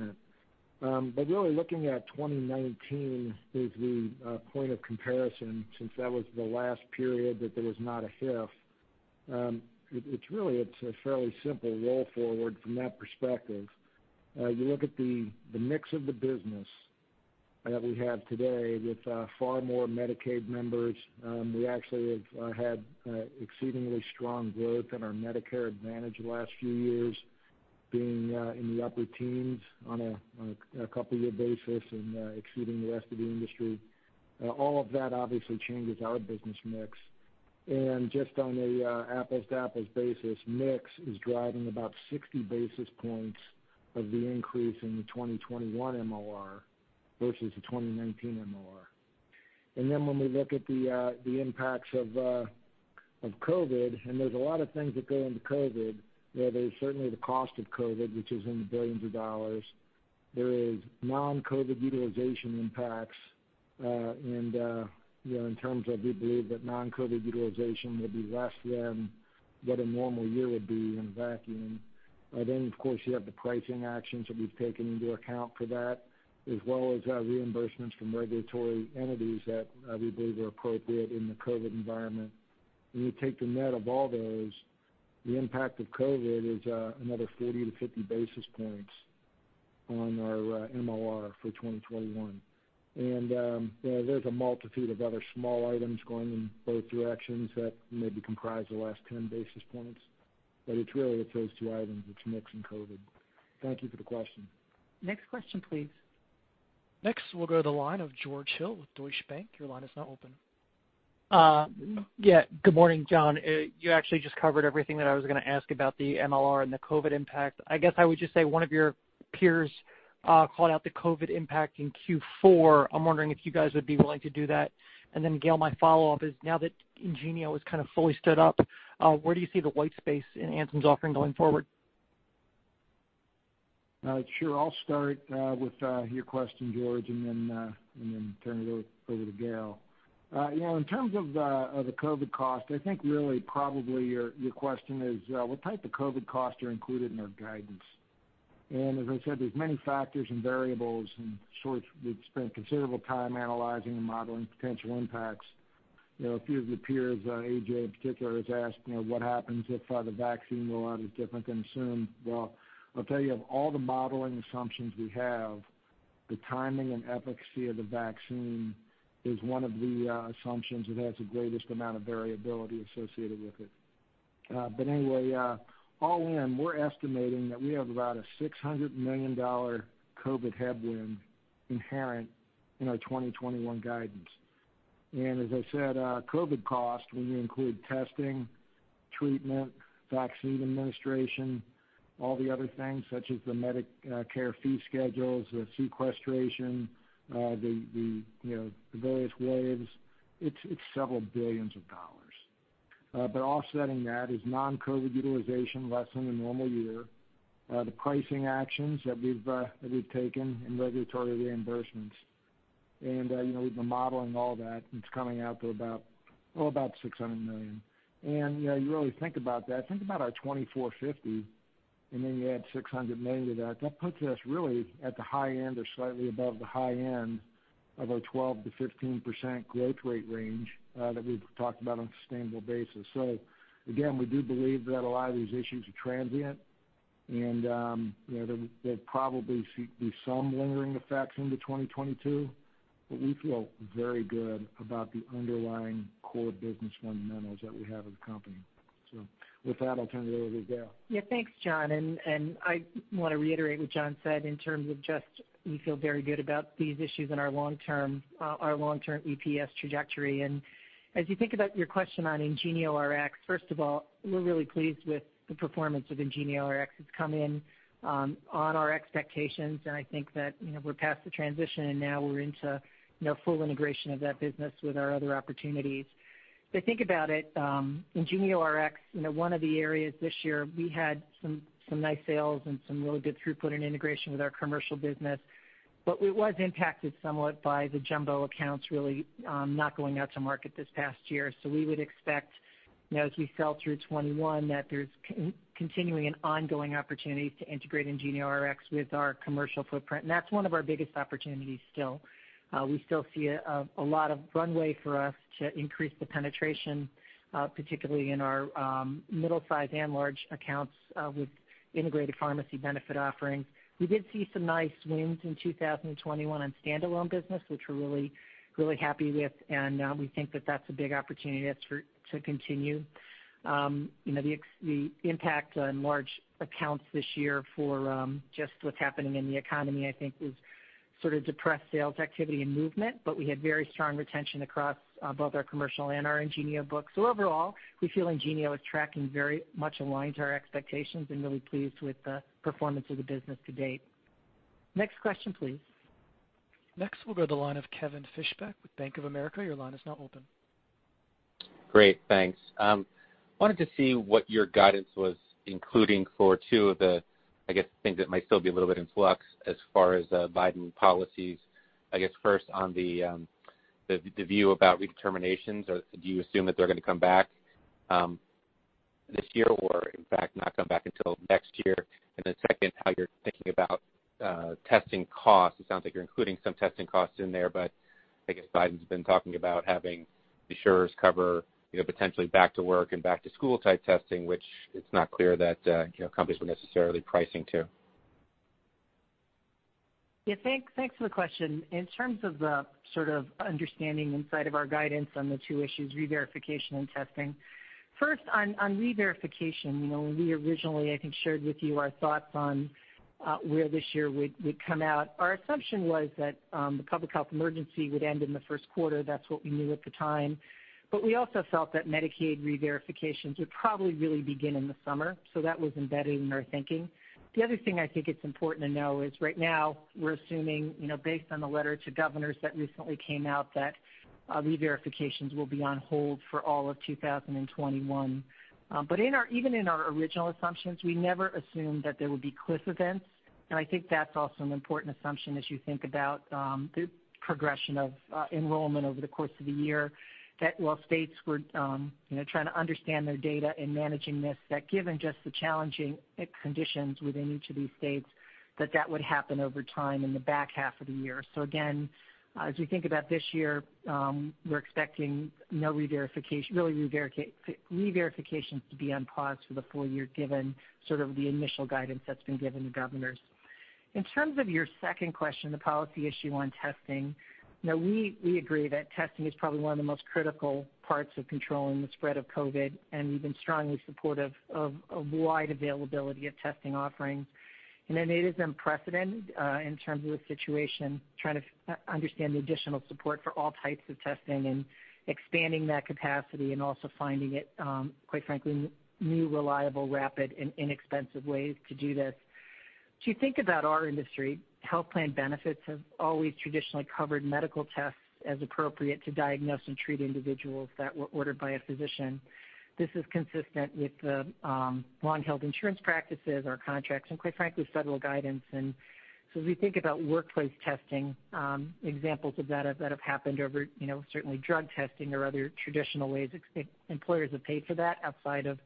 the 88%. Really looking at 2019 as the point of comparison since that was the last period that there was not a HIF, it's really a fairly simple roll forward from that perspective. You look at the mix of the business that we have today with far more Medicaid members. We actually have had exceedingly strong growth in our Medicare Advantage the last few years, being in the upper teens on a couple year basis and exceeding the rest of the industry. All of that obviously changes our business mix. Just on a apples-to-apples basis, mix is driving about 60 basis points of the increase in the 2021 MLR versus the 2019 MLR. When we look at the impacts of COVID, there's a lot of things that go into COVID. There's certainly the cost of COVID, which is in the billions of dollars. There is non-COVID utilization impacts, and in terms of we believe that non-COVID utilization will be less than what one normal year would be in a vacuum. Of course, you have the pricing actions that we've taken into account for that, as well as reimbursements from regulatory entities that we believe are appropriate in the COVID environment. When you take the net of all those, the impact of COVID is another 40-50 basis points on our MLR for 2021. There's a multitude of other small items going in both directions that maybe comprise the last 10 basis points. It's really those two items. It's mix and COVID. Thank you for the question. Next question, please. Next, we'll go to the line of George Hill with Deutsche Bank. Your line is now open. Yeah. Good morning, John. You actually just covered everything that I was going to ask about the MLR and the COVID impact. I guess I would just say one of your peers called out the COVID impact in Q4. I'm wondering if you guys would be willing to do that. Gail, my follow-up is, now that IngenioRx is kind of fully stood up, where do you see the white space in Anthem's offering going forward? Sure. I'll start with your question, George, and then turn it over to Gail. In terms of the COVID cost, I think really probably your question is what type of COVID costs are included in our guidance? As I said, there's many factors and variables, and we've spent considerable time analyzing and modeling potential impacts. A few of the peers, A.J. in particular, has asked what happens if the vaccine rollout is different than assumed? Well, I'll tell you, of all the modeling assumptions we have, the timing and efficacy of the vaccine is one of the assumptions that has the greatest amount of variability associated with it. Anyway, all in, we're estimating that we have about a $600 million COVID headwind inherent in our 2021 guidance. As I said, COVID cost, when you include testing, treatment, vaccine administration, all the other things such as the Medicare fee schedules, the sequestration, the various waves, it's several billions of dollars. Offsetting that is non-COVID utilization less than a normal year, the pricing actions that we've taken in regulatory reimbursements, and we've been modeling all that, and it's coming out to about $600 million. You really think about that, think about our $24.50, and then you add $600 million to that puts us really at the high end or slightly above the high end of our 12%-15% growth rate range that we've talked about on a sustainable basis. Again, we do believe that a lot of these issues are transient, and there'll probably be some lingering effects into 2022. We feel very good about the underlying core business fundamentals that we have as a company. With that, I'll turn it over to Gail. Yeah. Thanks, John. I want to reiterate what John said in terms of just, we feel very good about these issues and our long-term EPS trajectory. As you think about your question on IngenioRx, first of all, we're really pleased with the performance of IngenioRx. It's come in on our expectations, and I think that we're past the transition, and now we're into full integration of that business with our other opportunities. If you think about it, IngenioRx, one of the areas this year, we had some nice sales and some really good throughput and integration with our commercial business, but it was impacted somewhat by the jumbo accounts really not going out to market this past year. We would expect, as we sell through 2021, that there's continuing and ongoing opportunities to integrate IngenioRx with our commercial footprint. That's one of our biggest opportunities still. We still see a lot of runway for us to increase the penetration, particularly in our middle-size and large accounts with integrated pharmacy benefit offerings. We did see some nice wins in 2021 on standalone business, which we're really happy with, and we think that that's a big opportunity to continue. The impact on large accounts this year for just what's happening in the economy, I think, has sort of depressed sales activity and movement. We had very strong retention across both our commercial and our IngenioRx books. Overall, we feel IngenioRx is tracking very much in line to our expectations and really pleased with the performance of the business to date. Next question, please. Next, we'll go to the line of Kevin Fischbeck with Bank of America. Your line is now open. Great. Thanks. Wanted to see what your guidance was including for two of the, I guess, things that might still be a little bit in flux as far as Biden policies. I guess first on the view about redeterminations, or do you assume that they're going to come back this year, or in fact, not come back until next year? Second, how you're thinking about testing costs. It sounds like you're including some testing costs in there, but I guess Biden's been talking about having the insurers cover potentially back-to-work and back-to-school type testing, which it's not clear that companies were necessarily pricing to. Yeah. Thanks for the question. In terms of the sort of understanding inside of our guidance on the two issues, reverification and testing, first on reverification, when we originally, I think, shared with you our thoughts on where this year would come out, our assumption was that the public health emergency would end in the first quarter. That's what we knew at the time. We also felt that Medicaid reverifications would probably really begin in the summer, so that was embedded in our thinking. The other thing I think it's important to know is right now we're assuming, based on the letter to governors that recently came out, that reverifications will be on hold for all of 2021. Even in our original assumptions, we never assumed that there would be cliff events, and I think that's also an important assumption as you think about the progression of enrollment over the course of the year, that while states were trying to understand their data in managing this, that given just the challenging conditions within each of these states, that that would happen over time in the back half of the year. Again, as we think about this year, we're expecting reverifications to be on pause for the full year, given sort of the initial guidance that's been given to governors. In terms of your second question, the policy issue on testing, we agree that testing is probably one of the most critical parts of controlling the spread of COVID, and we've been strongly supportive of wide availability of testing offerings. It is unprecedented in terms of the situation, trying to understand the additional support for all types of testing and expanding that capacity and also finding it, quite frankly, new, reliable, rapid, and inexpensive ways to do this. If you think about our industry, health plan benefits have always traditionally covered medical tests as appropriate to diagnose and treat individuals that were ordered by a physician. This is consistent with long-held insurance practices or contracts, and quite frankly, federal guidance. As we think about workplace testing, examples of that have happened over certainly drug testing or other traditional ways employers have paid for that outside of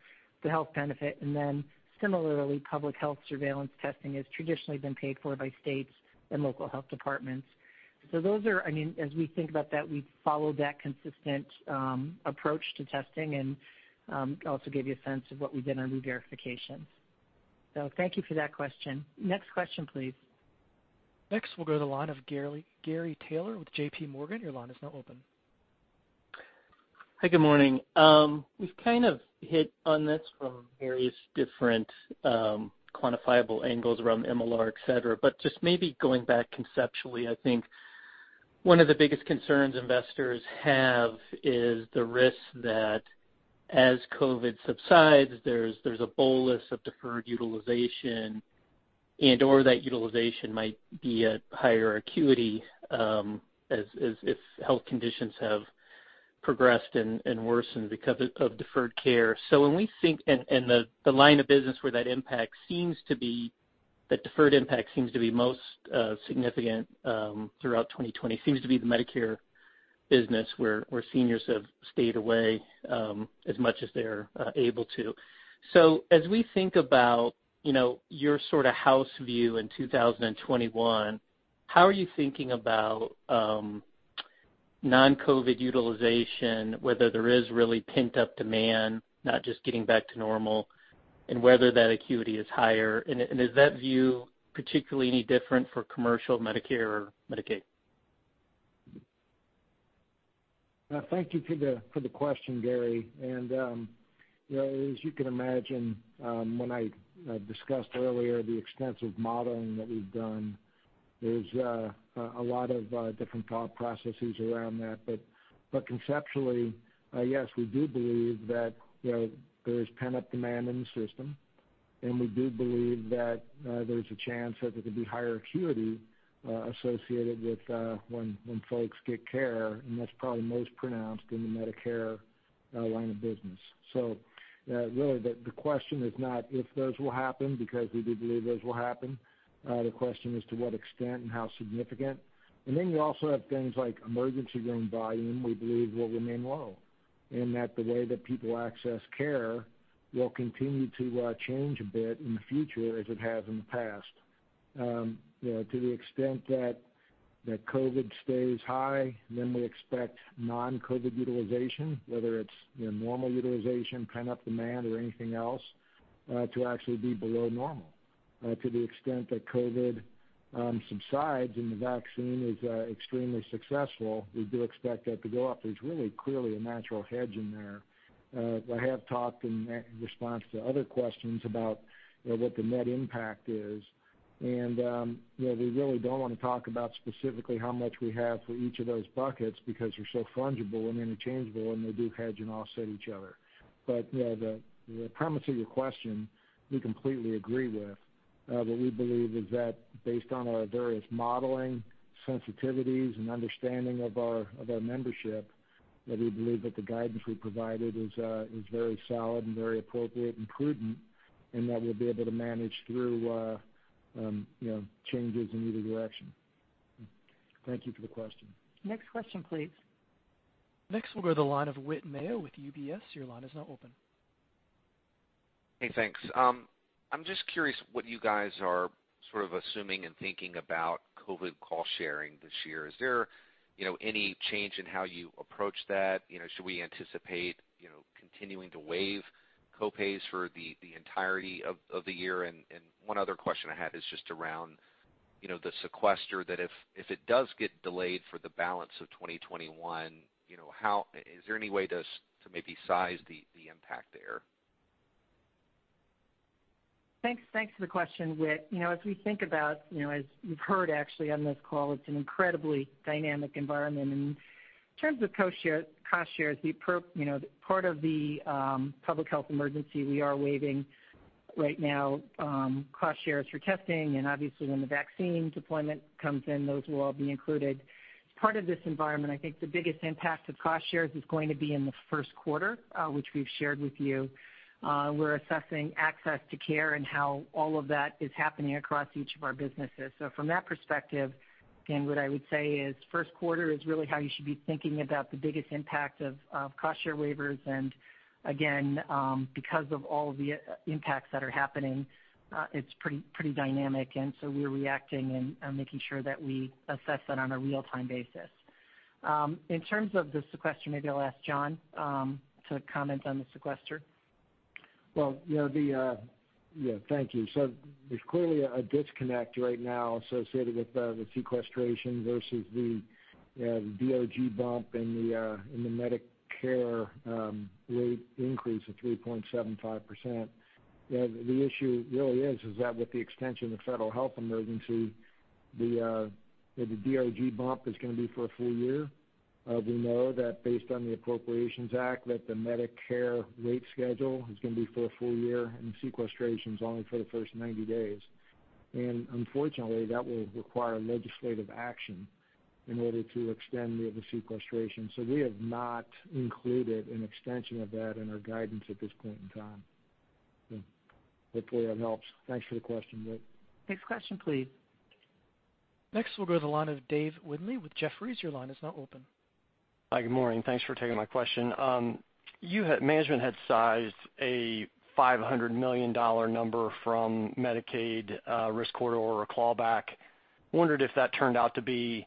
the health benefit. Similarly, public health surveillance testing has traditionally been paid for by states and local health departments. Those are, as we think about that, we follow that consistent approach to testing and also give you a sense of what we did on reverifications. Thank you for that question. Next question, please. Next, we'll go to the line of Gary Taylor with JP Morgan. Your line is now open. Hi, good morning. We've kind of hit on this from various different quantifiable angles around MLR, et cetera. Just maybe going back conceptually, I think one of the biggest concerns investors have is the risk that as COVID subsides, there's a bolus of deferred utilization and/or that utilization might be at higher acuity as if health conditions have progressed and worsened because of deferred care. The line of business where that deferred impact seems to be most significant throughout 2020 seems to be the Medicare business, where seniors have stayed away as much as they're able to. As we think about your sort of house view in 2021, how are you thinking about? Non-COVID utilization, whether there is really pent-up demand, not just getting back to normal, and whether that acuity is higher. Is that view particularly any different for commercial Medicare or Medicaid? Thank you for the question, Gary. As you can imagine, when I discussed earlier the extensive modeling that we've done, there's a lot of different thought processes around that. Conceptually, yes, we do believe that there is pent-up demand in the system, and we do believe that there's a chance that there could be higher acuity associated with when folks get care. That's probably most pronounced in the Medicare line of business. Really, the question is not if those will happen, because we do believe those will happen. The question is to what extent and how significant. Then we also have things like emergency room volume we believe will remain low, and that the way that people access care will continue to change a bit in the future as it has in the past. To the extent that COVID stays high, then we expect non-COVID utilization, whether it's normal utilization, pent-up demand, or anything else, to actually be below normal. To the extent that COVID subsides and the vaccine is extremely successful, we do expect that to go up. There's really clearly a natural hedge in there. I have talked in response to other questions about what the net impact is. We really don't want to talk about specifically how much we have for each of those buckets because they're so fungible and interchangeable, and they do hedge and offset each other. The premise of your question, we completely agree with. What we believe is that based on our various modeling sensitivities and understanding of our membership, that we believe that the guidance we provided is very solid and very appropriate and prudent, and that we'll be able to manage through changes in either direction. Thank you for the question. Next question, please. Next we'll go to the line of Whit Mayo with UBS. Your line is now open. Hey, thanks. I'm just curious what you guys are sort of assuming and thinking about COVID cost sharing this year. Is there any change in how you approach that? Should we anticipate continuing to waive co-pays for the entirety of the year? One other question I had is just around the sequester, that if it does get delayed for the balance of 2021, is there any way to maybe size the impact there? Thanks for the question, Whit. As we think about, as you've heard actually on this call, it's an incredibly dynamic environment. In terms of cost shares, part of the public health emergency we are waiving right now cost shares for testing, and obviously when the vaccine deployment comes in, those will all be included. As part of this environment, I think the biggest impact of cost shares is going to be in the first quarter, which we've shared with you. We're assessing access to care and how all of that is happening across each of our businesses. From that perspective, again, what I would say is first quarter is really how you should be thinking about the biggest impact of cost share waivers. Again, because of all the impacts that are happening, it's pretty dynamic, and so we're reacting and making sure that we assess that on a real-time basis. In terms of the sequester, maybe I'll ask John to comment on the sequester. Well, thank you. There's clearly a disconnect right now associated with the sequestration versus the DRG bump and the Medicare rate increase of 3.75%. The issue really is that with the extension of federal health emergency, the DRG bump is going to be for a full year. We know that based on the Appropriations Act, that the Medicare rate schedule is going to be for a full year, and the sequestration's only for the first 90 days. Unfortunately, that will require legislative action in order to extend the sequestration. We have not included an extension of that in our guidance at this point in time. Hopefully that helps. Thanks for the question, Whit. Next question, please. Next we'll go to the line of Dave Windley with Jefferies. Your line is now open. Hi, good morning. Thanks for taking my question. Management had sized a $500 million number from Medicaid risk corridor or a clawback. I wondered if that turned out to be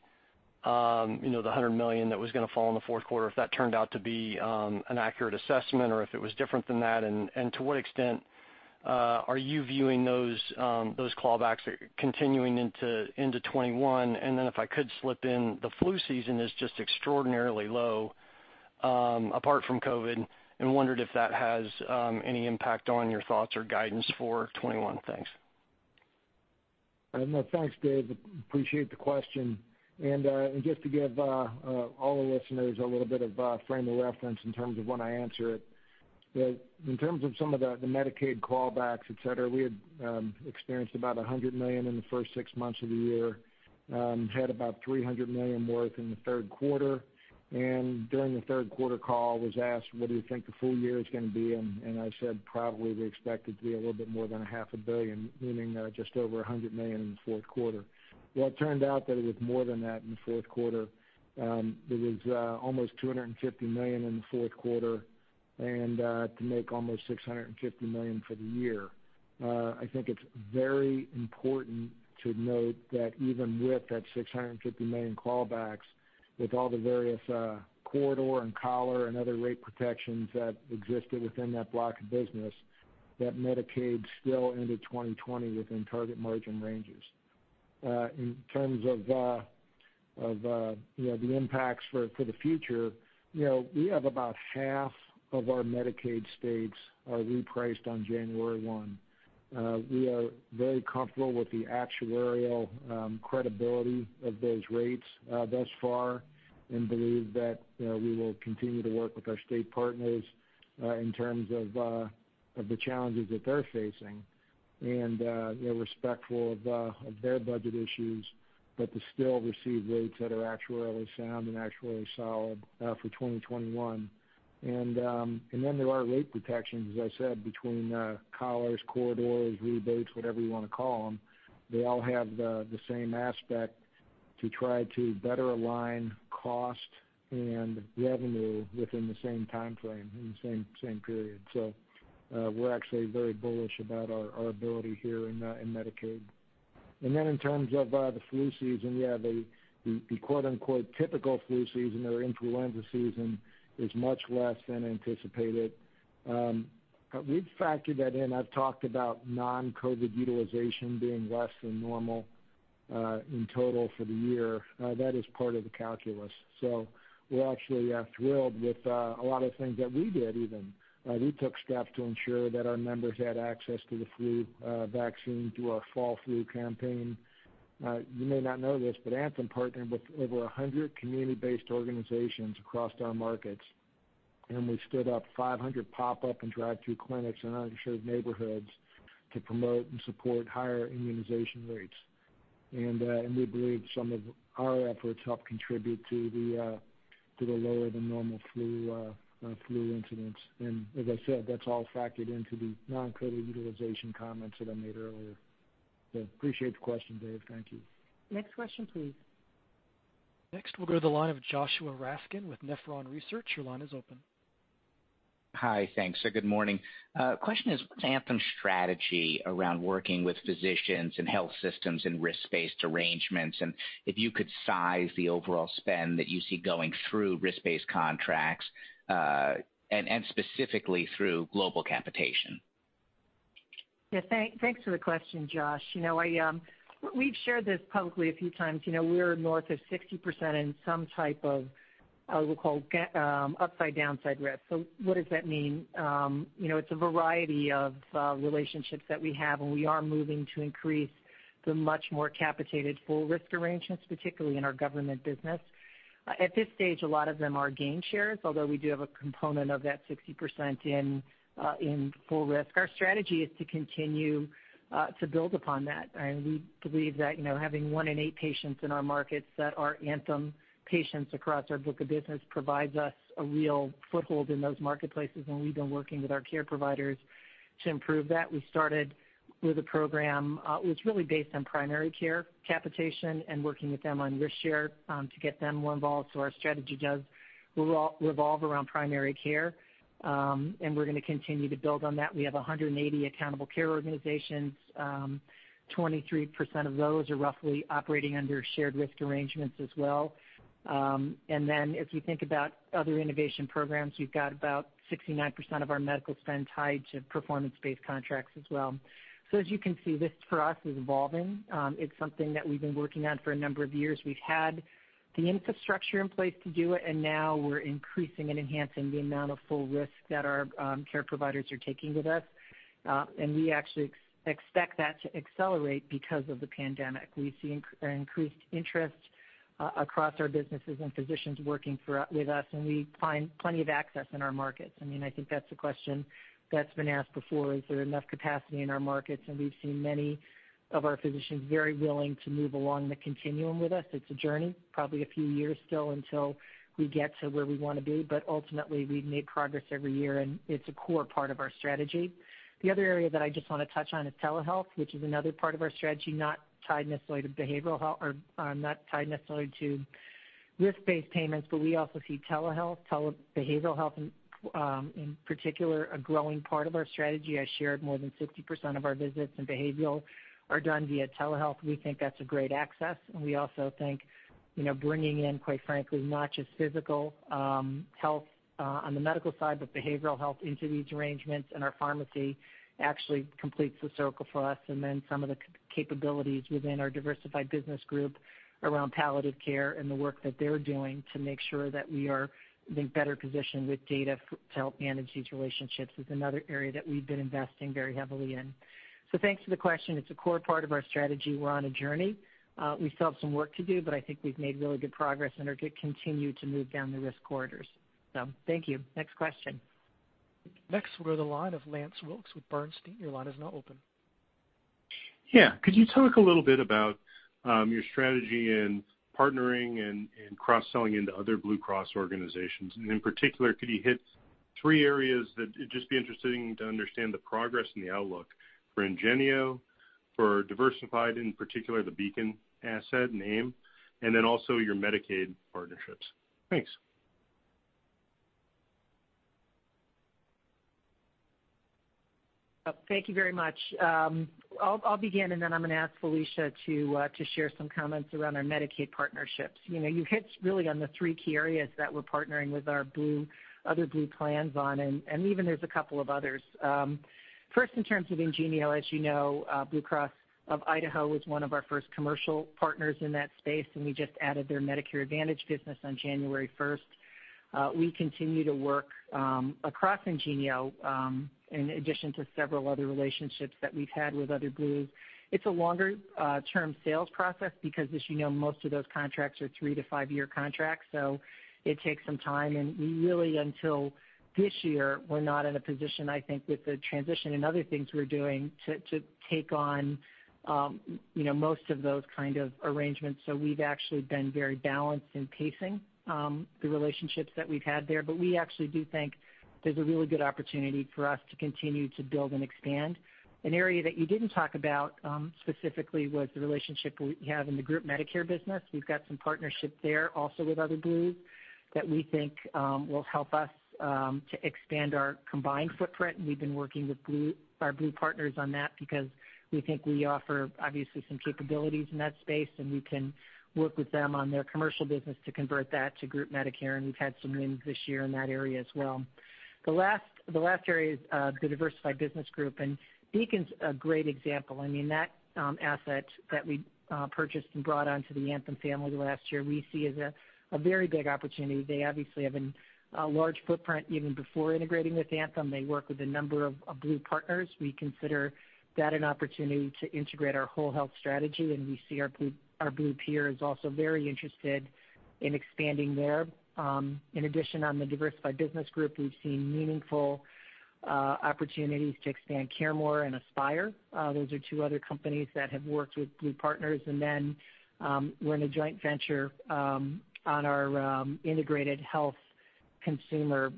the $100 million that was going to fall in the fourth quarter, if that turned out to be an accurate assessment, or if it was different than that, and to what extent are you viewing those clawbacks continuing into 2021? If I could slip in, the flu season is just extraordinarily low apart from COVID-19, and wondered if that has any impact on your thoughts or guidance for 2021. Thanks. Thanks, Dave. Appreciate the question. Just to give all the listeners a little bit of frame of reference in terms of when I answer it. In terms of some of the Medicaid clawbacks, et cetera, we had experienced about $100 million in the first six months of the year, had about $300 million worth in the third quarter. During the third quarter call was asked, what do we think the full year is going to be? I said, probably we expect it to be a little bit more than a half a billion, meaning just over $100 million in the fourth quarter. Well, it turned out that it was more than that in the fourth quarter. It was almost $250 million in the fourth quarter. To make almost $650 million for the year. I think it's very important to note that even with that $650 million clawbacks, with all the various corridor and collar and other rate protections that existed within that block of business, that Medicaid still ended 2020 within target margin ranges. In terms of the impacts for the future, we have about half of our Medicaid states are repriced on January 1. We are very comfortable with the actuarial credibility of those rates thus far and believe that we will continue to work with our state partners in terms of the challenges that they're facing, and they're respectful of their budget issues, but to still receive rates that are actuarially sound and actuarially solid for 2021. There are rate protections, as I said, between collars, corridors, rebates, whatever you want to call them. They all have the same aspect to try to better align cost and revenue within the same timeframe, in the same period. We're actually very bullish about our ability here in Medicaid. In terms of the flu season, yeah, the quote-unquote typical flu season or influenza season is much less than anticipated. We've factored that in. I've talked about non-COVID utilization being less than normal in total for the year. That is part of the calculus. We're actually thrilled with a lot of things that we did even. We took steps to ensure that our members had access to the flu vaccine through our fall flu campaign. You may not know this, but Anthem partnered with over 100 community-based organizations across our markets, and we stood up 500 pop-up and drive-through clinics in underserved neighborhoods to promote and support higher immunization rates. We believe some of our efforts helped contribute to the lower than normal flu incidence. As I said, that's all factored into the non-COVID-19 utilization comments that I made earlier. Appreciate the question, Dave. Thank you. Next question, please. Next, we'll go to the line of Joshua Raskin with Nephron Research. Your line is open. Hi. Thanks. Good morning. Question is, what's Anthem's strategy around working with physicians and health systems in risk-based arrangements? If you could size the overall spend that you see going through risk-based contracts, and specifically through global capitation. Thanks for the question, Joshua. We've shared this publicly a few times. We're north of 60% in some type of, I would call, upside-downside risk. What does that mean? It's a variety of relationships that we have, and we are moving to increase the much more capitated full risk arrangements, particularly in our government business. At this stage, a lot of them are gain shares, although we do have a component of that 60% in full risk. Our strategy is to continue to build upon that. We believe that having one in eight patients in our markets that are Anthem patients across our book of business provides us a real foothold in those marketplaces, and we've been working with our care providers to improve that. We started with a program, it was really based on primary care capitation and working with them on risk share to get them more involved. Our strategy does revolve around primary care. We're going to continue to build on that. We have 180 accountable care organizations. 23% of those are roughly operating under shared risk arrangements as well. If you think about other innovation programs, we've got about 69% of our medical spend tied to performance-based contracts as well. As you can see, this for us is evolving. It's something that we've been working on for a number of years. We've had the infrastructure in place to do it, and now we're increasing and enhancing the amount of full risk that our care providers are taking with us. We actually expect that to accelerate because of the pandemic. We see an increased interest across our businesses and physicians working with us. We find plenty of access in our markets. I think that's a question that's been asked before, is there enough capacity in our markets? We've seen many of our physicians very willing to move along the continuum with us. It's a journey, probably a few years still until we get to where we want to be. Ultimately, we've made progress every year. It's a core part of our strategy. The other area that I just want to touch on is telehealth, which is another part of our strategy, not tied necessarily to behavioral health or not tied necessarily to risk-based payments. We also see telehealth, behavioral health in particular, a growing part of our strategy. I shared more than 60% of our visits in behavioral are done via telehealth. We think that's a great access, we also think, bringing in, quite frankly, not just physical health on the medical side, but behavioral health into these arrangements and our pharmacy actually completes the circle for us. Some of the capabilities within our Diversified Business Group around palliative care and the work that they're doing to make sure that we are, I think, better positioned with data to help manage these relationships is another area that we've been investing very heavily in. Thanks for the question. It's a core part of our strategy. We're on a journey. We still have some work to do, but I think we've made really good progress and are going to continue to move down the risk corridors. Thank you. Next question. Next, we go to the line of Lance Wilkes with Bernstein. Your line is now open. Yeah. Could you talk a little bit about your strategy in partnering and cross-selling into other Blue Cross organizations? In particular, could you hit three areas that it'd just be interesting to understand the progress and the outlook for IngenioRx? For Diversified, in particular, the Beacon asset and AIM, and then also your Medicaid partnerships. Thanks. Thank you very much. I'll begin, and then I'm going to ask Felicia to share some comments around our Medicaid partnerships. You hit really on the three key areas that we're partnering with our other Blue plans on, and even there's a couple of others. First, in terms of IngenioRx, as you know, Blue Cross of Idaho was one of our first commercial partners in that space, and we just added their Medicare Advantage business on January 1st. We continue to work across IngenioRx, in addition to several other relationships that we've had with other Blues. It's a longer-term sales process because, as you know, most of those contracts are three to five-year contracts, so it takes some time. Really until this year, we're not in a position, I think with the transition and other things we're doing, to take on most of those kind of arrangements. We've actually been very balanced in pacing the relationships that we've had there. We actually do think there's a really good opportunity for us to continue to build and expand. An area that you didn't talk about specifically was the relationship we have in the group Medicare business. We've got some partnership there also with other Blues that we think will help us to expand our combined footprint, and we've been working with our Blue partners on that because we think we offer obviously some capabilities in that space, and we can work with them on their commercial business to convert that to group Medicare, and we've had some wins this year in that area as well. The last area is the Diversified Business Group, and Beacon's a great example. That asset that we purchased and brought onto the Anthem family last year, we see as a very big opportunity. They obviously have a large footprint even before integrating with Anthem. They work with a number of Blue partners. We consider that an opportunity to integrate our whole health strategy, and we see our Blue peers also very interested in expanding there. In addition, on the Diversified Business Group, we've seen meaningful opportunities to expand CareMore and Aspire. Those are two other companies that have worked with Blue Partners. We're in a joint venture on our integrated health consumer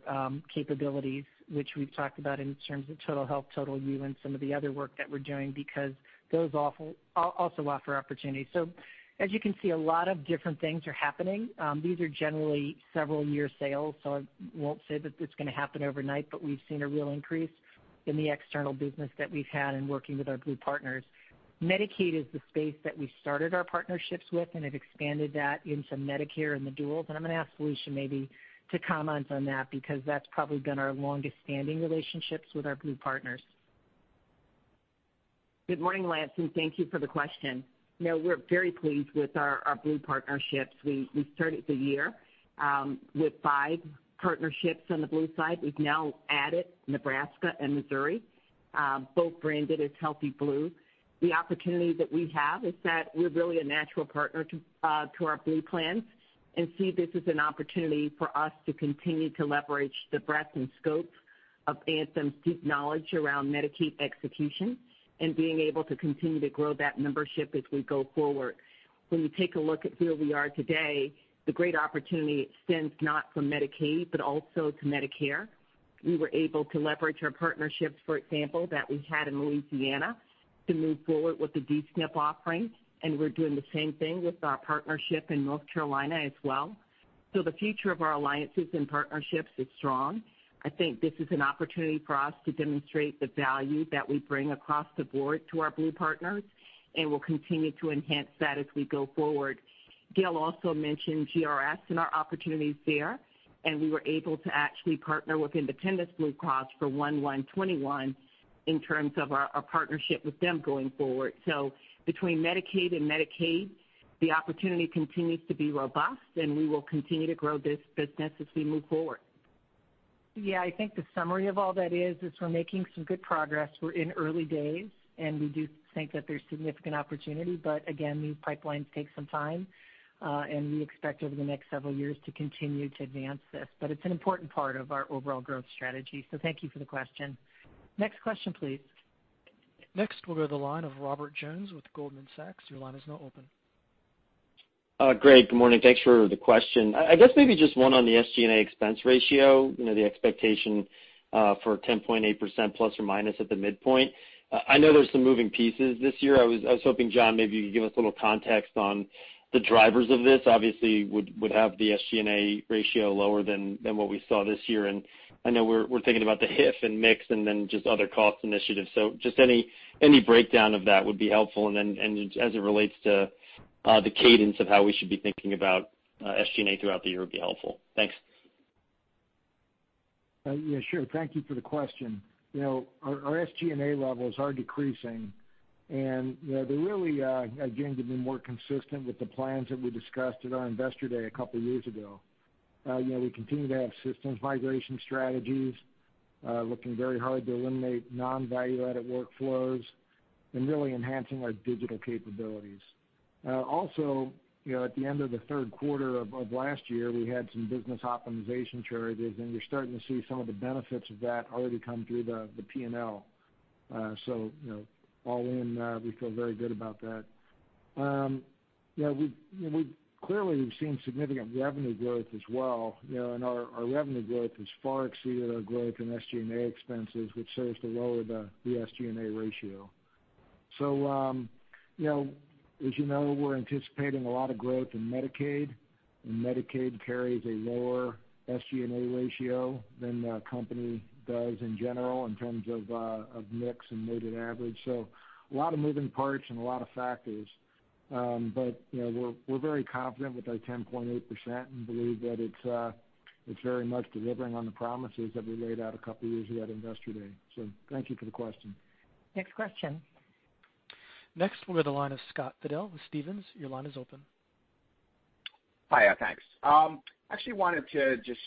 capabilities, which we've talked about in terms of Total Health, Total You, and some of the other work that we're doing, because those also offer opportunities. As you can see, a lot of different things are happening. These are generally several year sales, so I won't say that it's going to happen overnight, but we've seen a real increase in the external business that we've had in working with our Blue partners. Medicaid is the space that we started our partnerships with and have expanded that into Medicare and the duals. I'm going to ask Felicia maybe to comment on that, because that's probably been our longest standing relationships with our Blue partners. Good morning, Lance, and thank you for the question. We're very pleased with our Blue partnerships. We started the year with five partnerships on the Blue side. We've now added Nebraska and Missouri, both branded as Healthy Blue. The opportunity that we have is that we're really a natural partner to our Blue plans and see this as an opportunity for us to continue to leverage the breadth and scope of Anthem's deep knowledge around Medicaid execution and being able to continue to grow that membership as we go forward. When we take a look at where we are today, the great opportunity extends not from Medicaid, but also to Medicare. We were able to leverage our partnerships, for example, that we had in Louisiana to move forward with the D-SNP offering, and we're doing the same thing with our partnership in North Carolina as well. The future of our alliances and partnerships is strong. I think this is an opportunity for us to demonstrate the value that we bring across the board to our Blue partners, and we'll continue to enhance that as we go forward. Gail also mentioned GRS and our opportunities there, and we were able to actually partner with Independence Blue Cross for 1/1/21 in terms of our partnership with them going forward. Between Medicaid and Medicare, the opportunity continues to be robust, and we will continue to grow this business as we move forward. Yeah, I think the summary of all that is we're making some good progress. We're in early days, and we do think that there's significant opportunity, but again, these pipelines take some time, and we expect over the next several years to continue to advance this. It's an important part of our overall growth strategy. Thank you for the question. Next question, please. Next, we'll go to the line of Robert Jones with Goldman Sachs. Your line is now open. Great. Good morning. Thanks for the question. I guess maybe just one on the SG&A expense ratio, the expectation for 10.8% ± at the midpoint. I know there's some moving pieces this year. I was hoping, John, maybe you could give us a little context on the drivers of this. Obviously, would have the SG&A ratio lower than what we saw this year, and I know we're thinking about the HIF and mix and then just other cost initiatives. Just any breakdown of that would be helpful, and then as it relates to the cadence of how we should be thinking about SG&A throughout the year would be helpful. Thanks. Yeah, sure. Thank you for the question. Our SG&A levels are decreasing, and they really are beginning to be more consistent with the plans that we discussed at our Investor Day a couple of years ago. We continue to have systems migration strategies, looking very hard to eliminate non-value-added workflows and really enhancing our digital capabilities. Also at the end of the third quarter of last year, we had some business optimization charges, and you're starting to see some of the benefits of that already come through the P&L. All in, we feel very good about that. We clearly have seen significant revenue growth as well. Our revenue growth has far exceeded our growth in SG&A expenses, which serves to lower the SG&A ratio. As you know, we're anticipating a lot of growth in Medicaid, and Medicaid carries a lower SG&A ratio than the company does in general in terms of mix and weighted average. A lot of moving parts and a lot of factors. We're very confident with our 10.8% and believe that it's very much delivering on the promises that we laid out a couple of years ago at Investor Day. Thank you for the question. Next question. Next we'll go to the line of Scott Fidel with Stephens. Your line is open. Hi. Thanks. Actually wanted to just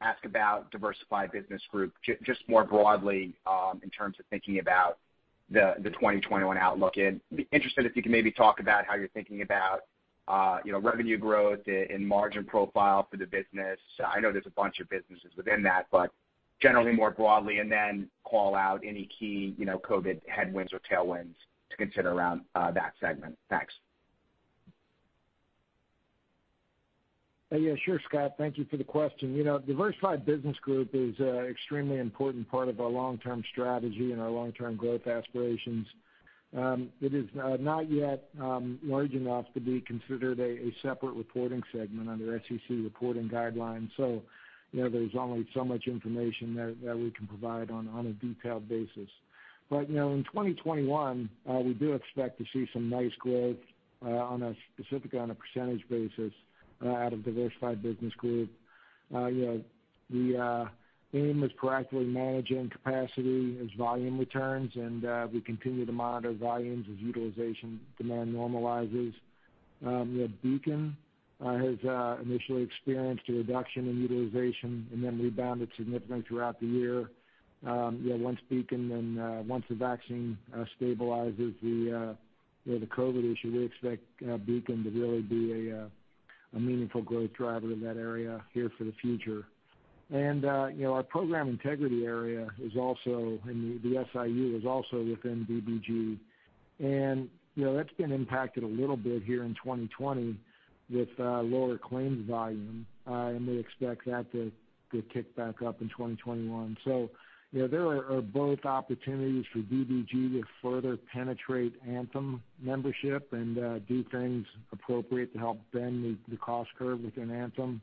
ask about Diversified Business Group, just more broadly, in terms of thinking about the 2021 outlook. Be interested if you can maybe talk about how you're thinking about revenue growth and margin profile for the business? I know there's a bunch of businesses within that, but generally more broadly, and then call out any key COVID headwinds or tailwinds to consider around that segment? Thanks. Yeah, sure, Scott. Thank you for the question. Diversified Business Group is an extremely important part of our long-term strategy and our long-term growth aspirations. It is not yet large enough to be considered a separate reporting segment under SEC reporting guidelines. There's only so much information that we can provide on a detailed basis. In 2021, we do expect to see some nice growth, specifically on a percentage basis, out of Diversified Business Group. AIM is proactively managing capacity as volume returns, and we continue to monitor volumes as utilization demand normalizes. Beacon has initially experienced a reduction in utilization and then rebounded significantly throughout the year. Once Beacon is integrated and the vaccine stabilizes the COVID situation, we expect Beacon to really be a meaningful growth driver in that area here for the future. Our program integrity area is also, and the SIU is also within DBG. That's been impacted a little bit here in 2020 with lower claims volume. We expect that to kick back up in 2021. There are both opportunities for DBG to further penetrate Anthem membership and do things appropriate to help bend the cost curve within Anthem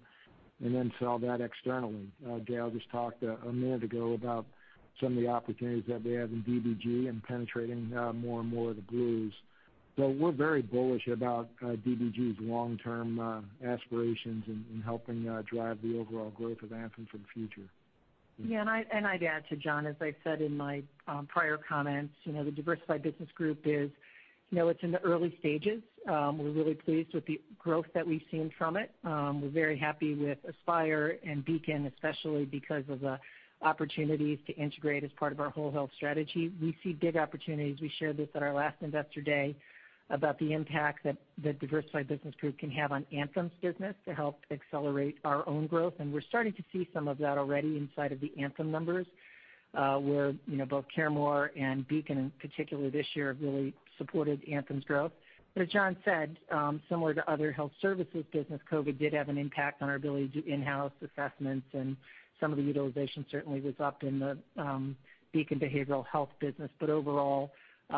and then sell that externally. Gail just talked a minute ago about some of the opportunities that they have in DBG and penetrating more and more of the Blues. We're very bullish about DBG's long-term aspirations in helping drive the overall growth of Anthem for the future. Yeah, I'd add to John, as I said in my prior comments, the Diversified Business Group is in the early stages. We're really pleased with the growth that we've seen from it. We're very happy with Aspire and Beacon, especially because of the opportunities to integrate as part of our whole health strategy. We see big opportunities. We shared this at our last Investor Day about the impact that Diversified Business Group can have on Anthem's business to help accelerate our own growth. We're starting to see some of that already inside of the Anthem numbers, where both CareMore and Beacon in particular this year have really supported Anthem's growth. As John said, similar to other health services business, COVID did have an impact on our ability to do in-house assessments, and some of the utilization certainly was up in the Beacon behavioral health business. Overall,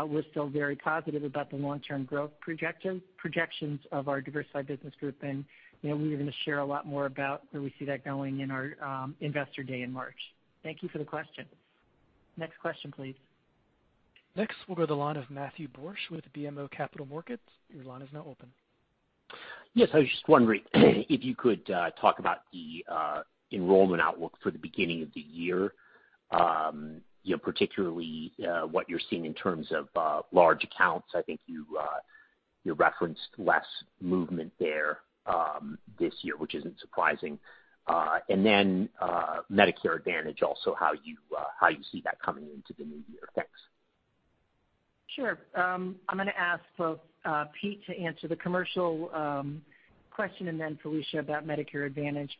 we're still very positive about the long-term growth projections of our Diversified Business Group. We are going to share a lot more about where we see that going in our Investor Day in March. Thank you for the question. Next question, please. Next, we'll go to the line of Matthew Borsch with BMO Capital Markets. Your line is now open. Yes, I was just wondering if you could talk about the enrollment outlook for the beginning of the year. Particularly, what you're seeing in terms of large accounts. I think you referenced less movement there this year, which isn't surprising. Medicare Advantage also, how you see that coming into the new year. Thanks. Sure. I'm going to ask both Pete to answer the commercial question and then Felicia about Medicare Advantage.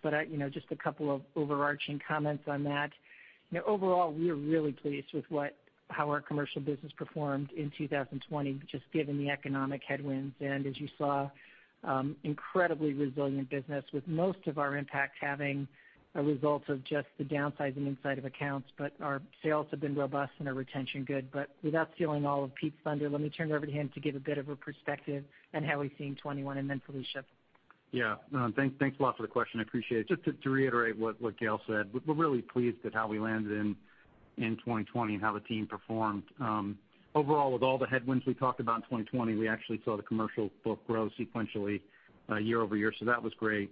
Just a couple of overarching comments on that. Overall, we are really pleased with how our commercial business performed in 2020, just given the economic headwinds. As you saw, incredibly resilient business with most of our impact having a result of just the downsizing inside of accounts, but our sales have been robust and our retention good. Without stealing all of Pete's thunder, let me turn it over to him to give a bit of a perspective on how we're seeing 2021, and then Felicia. Yeah. Thanks a lot for the question, appreciate it. Just to reiterate what Gail said, we're really pleased at how we landed in 2020 and how the team performed. Overall, with all the headwinds we talked about in 2020, we actually saw the Commercial book grow sequentially year-over-year. That was great.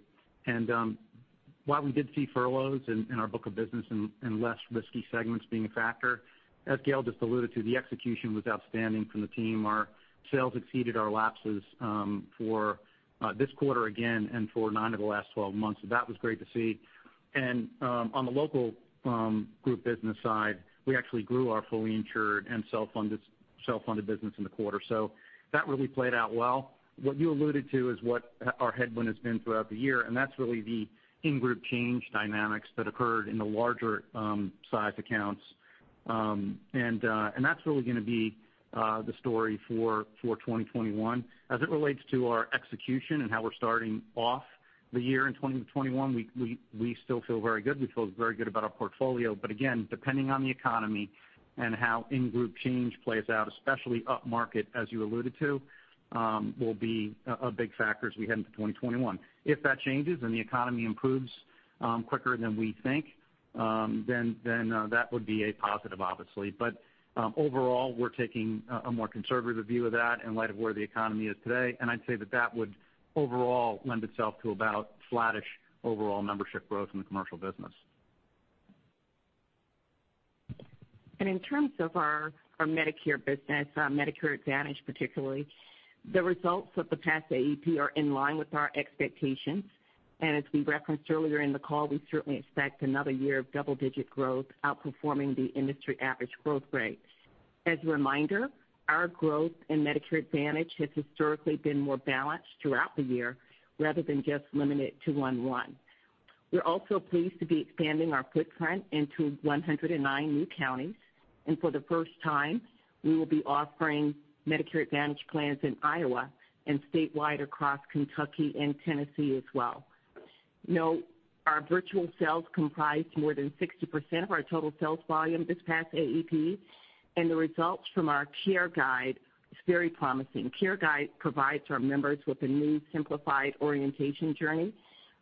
While we did see furloughs in our book of business and less risky segments being a factor, as Gail just alluded to, the execution was outstanding from the team. Our sales exceeded our lapses for this quarter again and for nine of the last 12 months. That was great to see. On the Local Group business side, we actually grew our fully insured and self-funded business in the quarter. That really played out well. What you alluded to is what our headwind has been throughout the year, and that's really the in-group change dynamics that occurred in the larger size accounts. That's really going to be the story for 2021. As it relates to our execution and how we're starting off the year in 2021, we still feel very good. We feel very good about our portfolio, but again, depending on the economy and how in-group change plays out, especially upmarket, as you alluded to, will be a big factor as we head into 2021. If that changes and the economy improves quicker than we think, then that would be a positive, obviously. Overall, we're taking a more conservative view of that in light of where the economy is today. I'd say that would overall lend itself to about flattish overall membership growth in the commercial business. In terms of our Medicare business, Medicare Advantage particularly, the results of the past AEP are in line with our expectations. As we referenced earlier in the call, we certainly expect another year of double-digit growth outperforming the industry average growth rate. As a reminder, our growth in Medicare Advantage has historically been more balanced throughout the year rather than just limited to one. We're also pleased to be expanding our footprint into 109 new counties. For the first time, we will be offering Medicare Advantage plans in Iowa and statewide across Kentucky and Tennessee as well. Note, our virtual sales comprised more than 60% of our total sales volume this past AEP, and the results from our Care Guide is very promising. Care Guide provides our members with a new simplified orientation journey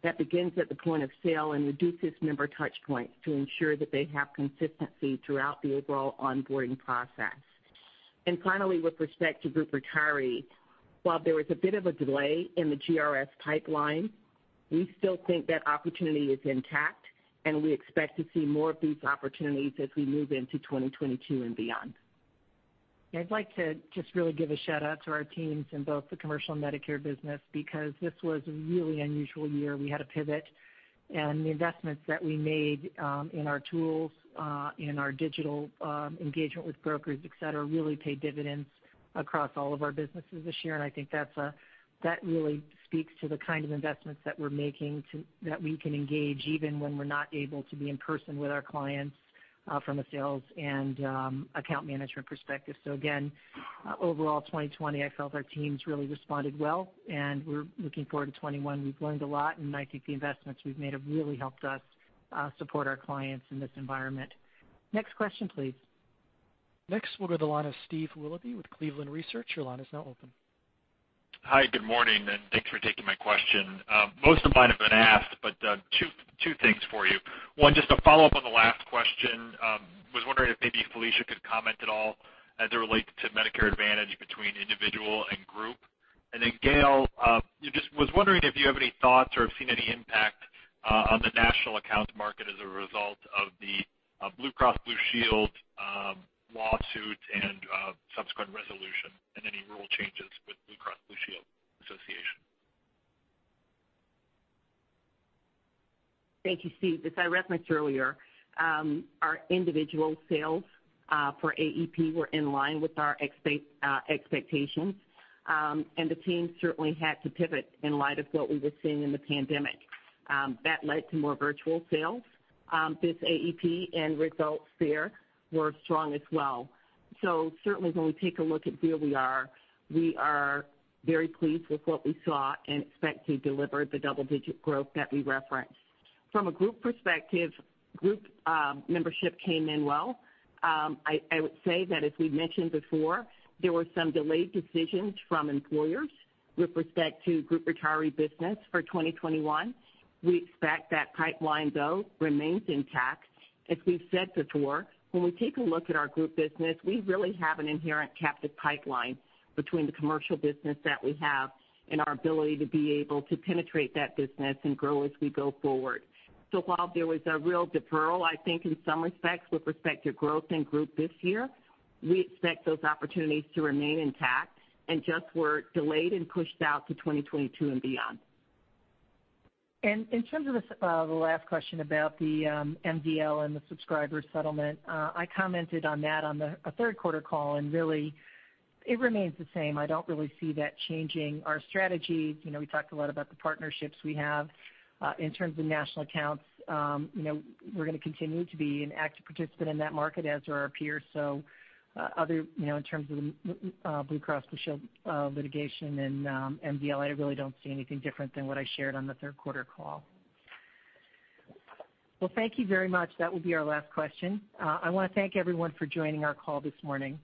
that begins at the point of sale and reduces member touch points to ensure that they have consistency throughout the overall onboarding process. Finally, with respect to group retiree, while there was a bit of a delay in the GRS pipeline, we still think that opportunity is intact, and we expect to see more of these opportunities as we move into 2022 and beyond. I'd like to just really give a shout-out to our teams in both the commercial and Medicare business because this was a really unusual year. We had to pivot. The investments that we made in our tools, in our digital engagement with brokers, et cetera, really paid dividends across all of our businesses this year. I think that really speaks to the kind of investments that we're making, that we can engage even when we're not able to be in person with our clients from a sales and account management perspective. Again, overall, 2020, I felt our teams really responded well. We're looking forward to 2021. We've learned a lot. I think the investments we've made have really helped us support our clients in this environment. Next question, please. Next, we'll go to the line of Steve Willoughby with Cleveland Research. Your line is now open. Hi, good morning. Thanks for taking my question. Most of mine have been asked, two things for you. One, just a follow-up on the last question. Was wondering if maybe Felicia could comment at all as it relates to Medicare Advantage between individual and group. Gail, just was wondering if you have any thoughts or have seen any impact on the national accounts market as a result of the Blue Cross Blue Shield lawsuit and subsequent resolution, and any rule changes with Blue Cross Blue Shield Association. Thank you, Steve. As I referenced earlier, our individual sales for AEP were in line with our expectations, and the team certainly had to pivot in light of what we were seeing in the pandemic. That led to more virtual sales this AEP and results there were strong as well. Certainly when we take a look at where we are, we are very pleased with what we saw and expect to deliver the double-digit growth that we referenced. From a group perspective, group membership came in well. I would say that as we mentioned before, there were some delayed decisions from employers with respect to group retiree business for 2021. We expect that pipeline, though, remains intact. As we've said before, when we take a look at our group business, we really have an inherent captive pipeline between the commercial business that we have and our ability to be able to penetrate that business and grow as we go forward. While there was a real deferral, I think in some respects, with respect to growth and group this year, we expect those opportunities to remain intact and just were delayed and pushed out to 2022 and beyond. In terms of the last question about the MDL and the subscriber settlement, I commented on that on the third quarter call, and really it remains the same. I don't really see that changing our strategies. We talked a lot about the partnerships we have. In terms of national accounts, we're going to continue to be an active participant in that market as are our peers. In terms of the Blue Cross Blue Shield litigation and MDL, I really don't see anything different than what I shared on the third quarter call. Well, thank you very much. That will be our last question. I want to thank everyone for joining our call this morning.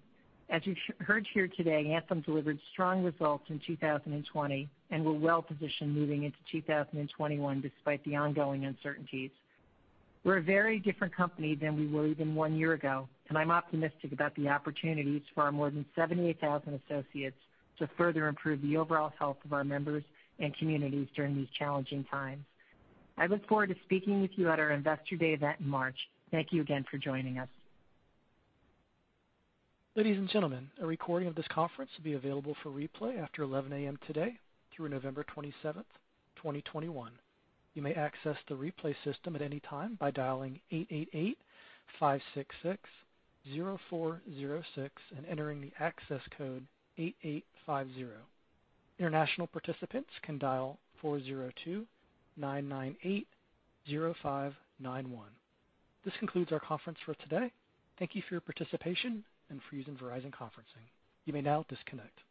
As you heard here today, Anthem delivered strong results in 2020 and we're well positioned moving into 2021 despite the ongoing uncertainties. We're a very different company than we were even one year ago, and I'm optimistic about the opportunities for our more than 78,000 associates to further improve the overall health of our members and communities during these challenging times. I look forward to speaking with you at our Investor Day event in March. Thank you again for joining us. Ladies and gentlemen, a recording of this conference will be available for replay after 11:00 a.m. today through November 27th, 2021. You may access the replay system at any time by dialing 888-566-0406 and entering the access code 8850. International participants can dial 402-998-0591. This concludes our conference for today. Thank you for your participation and for using Verizon Conferencing. You may now disconnect.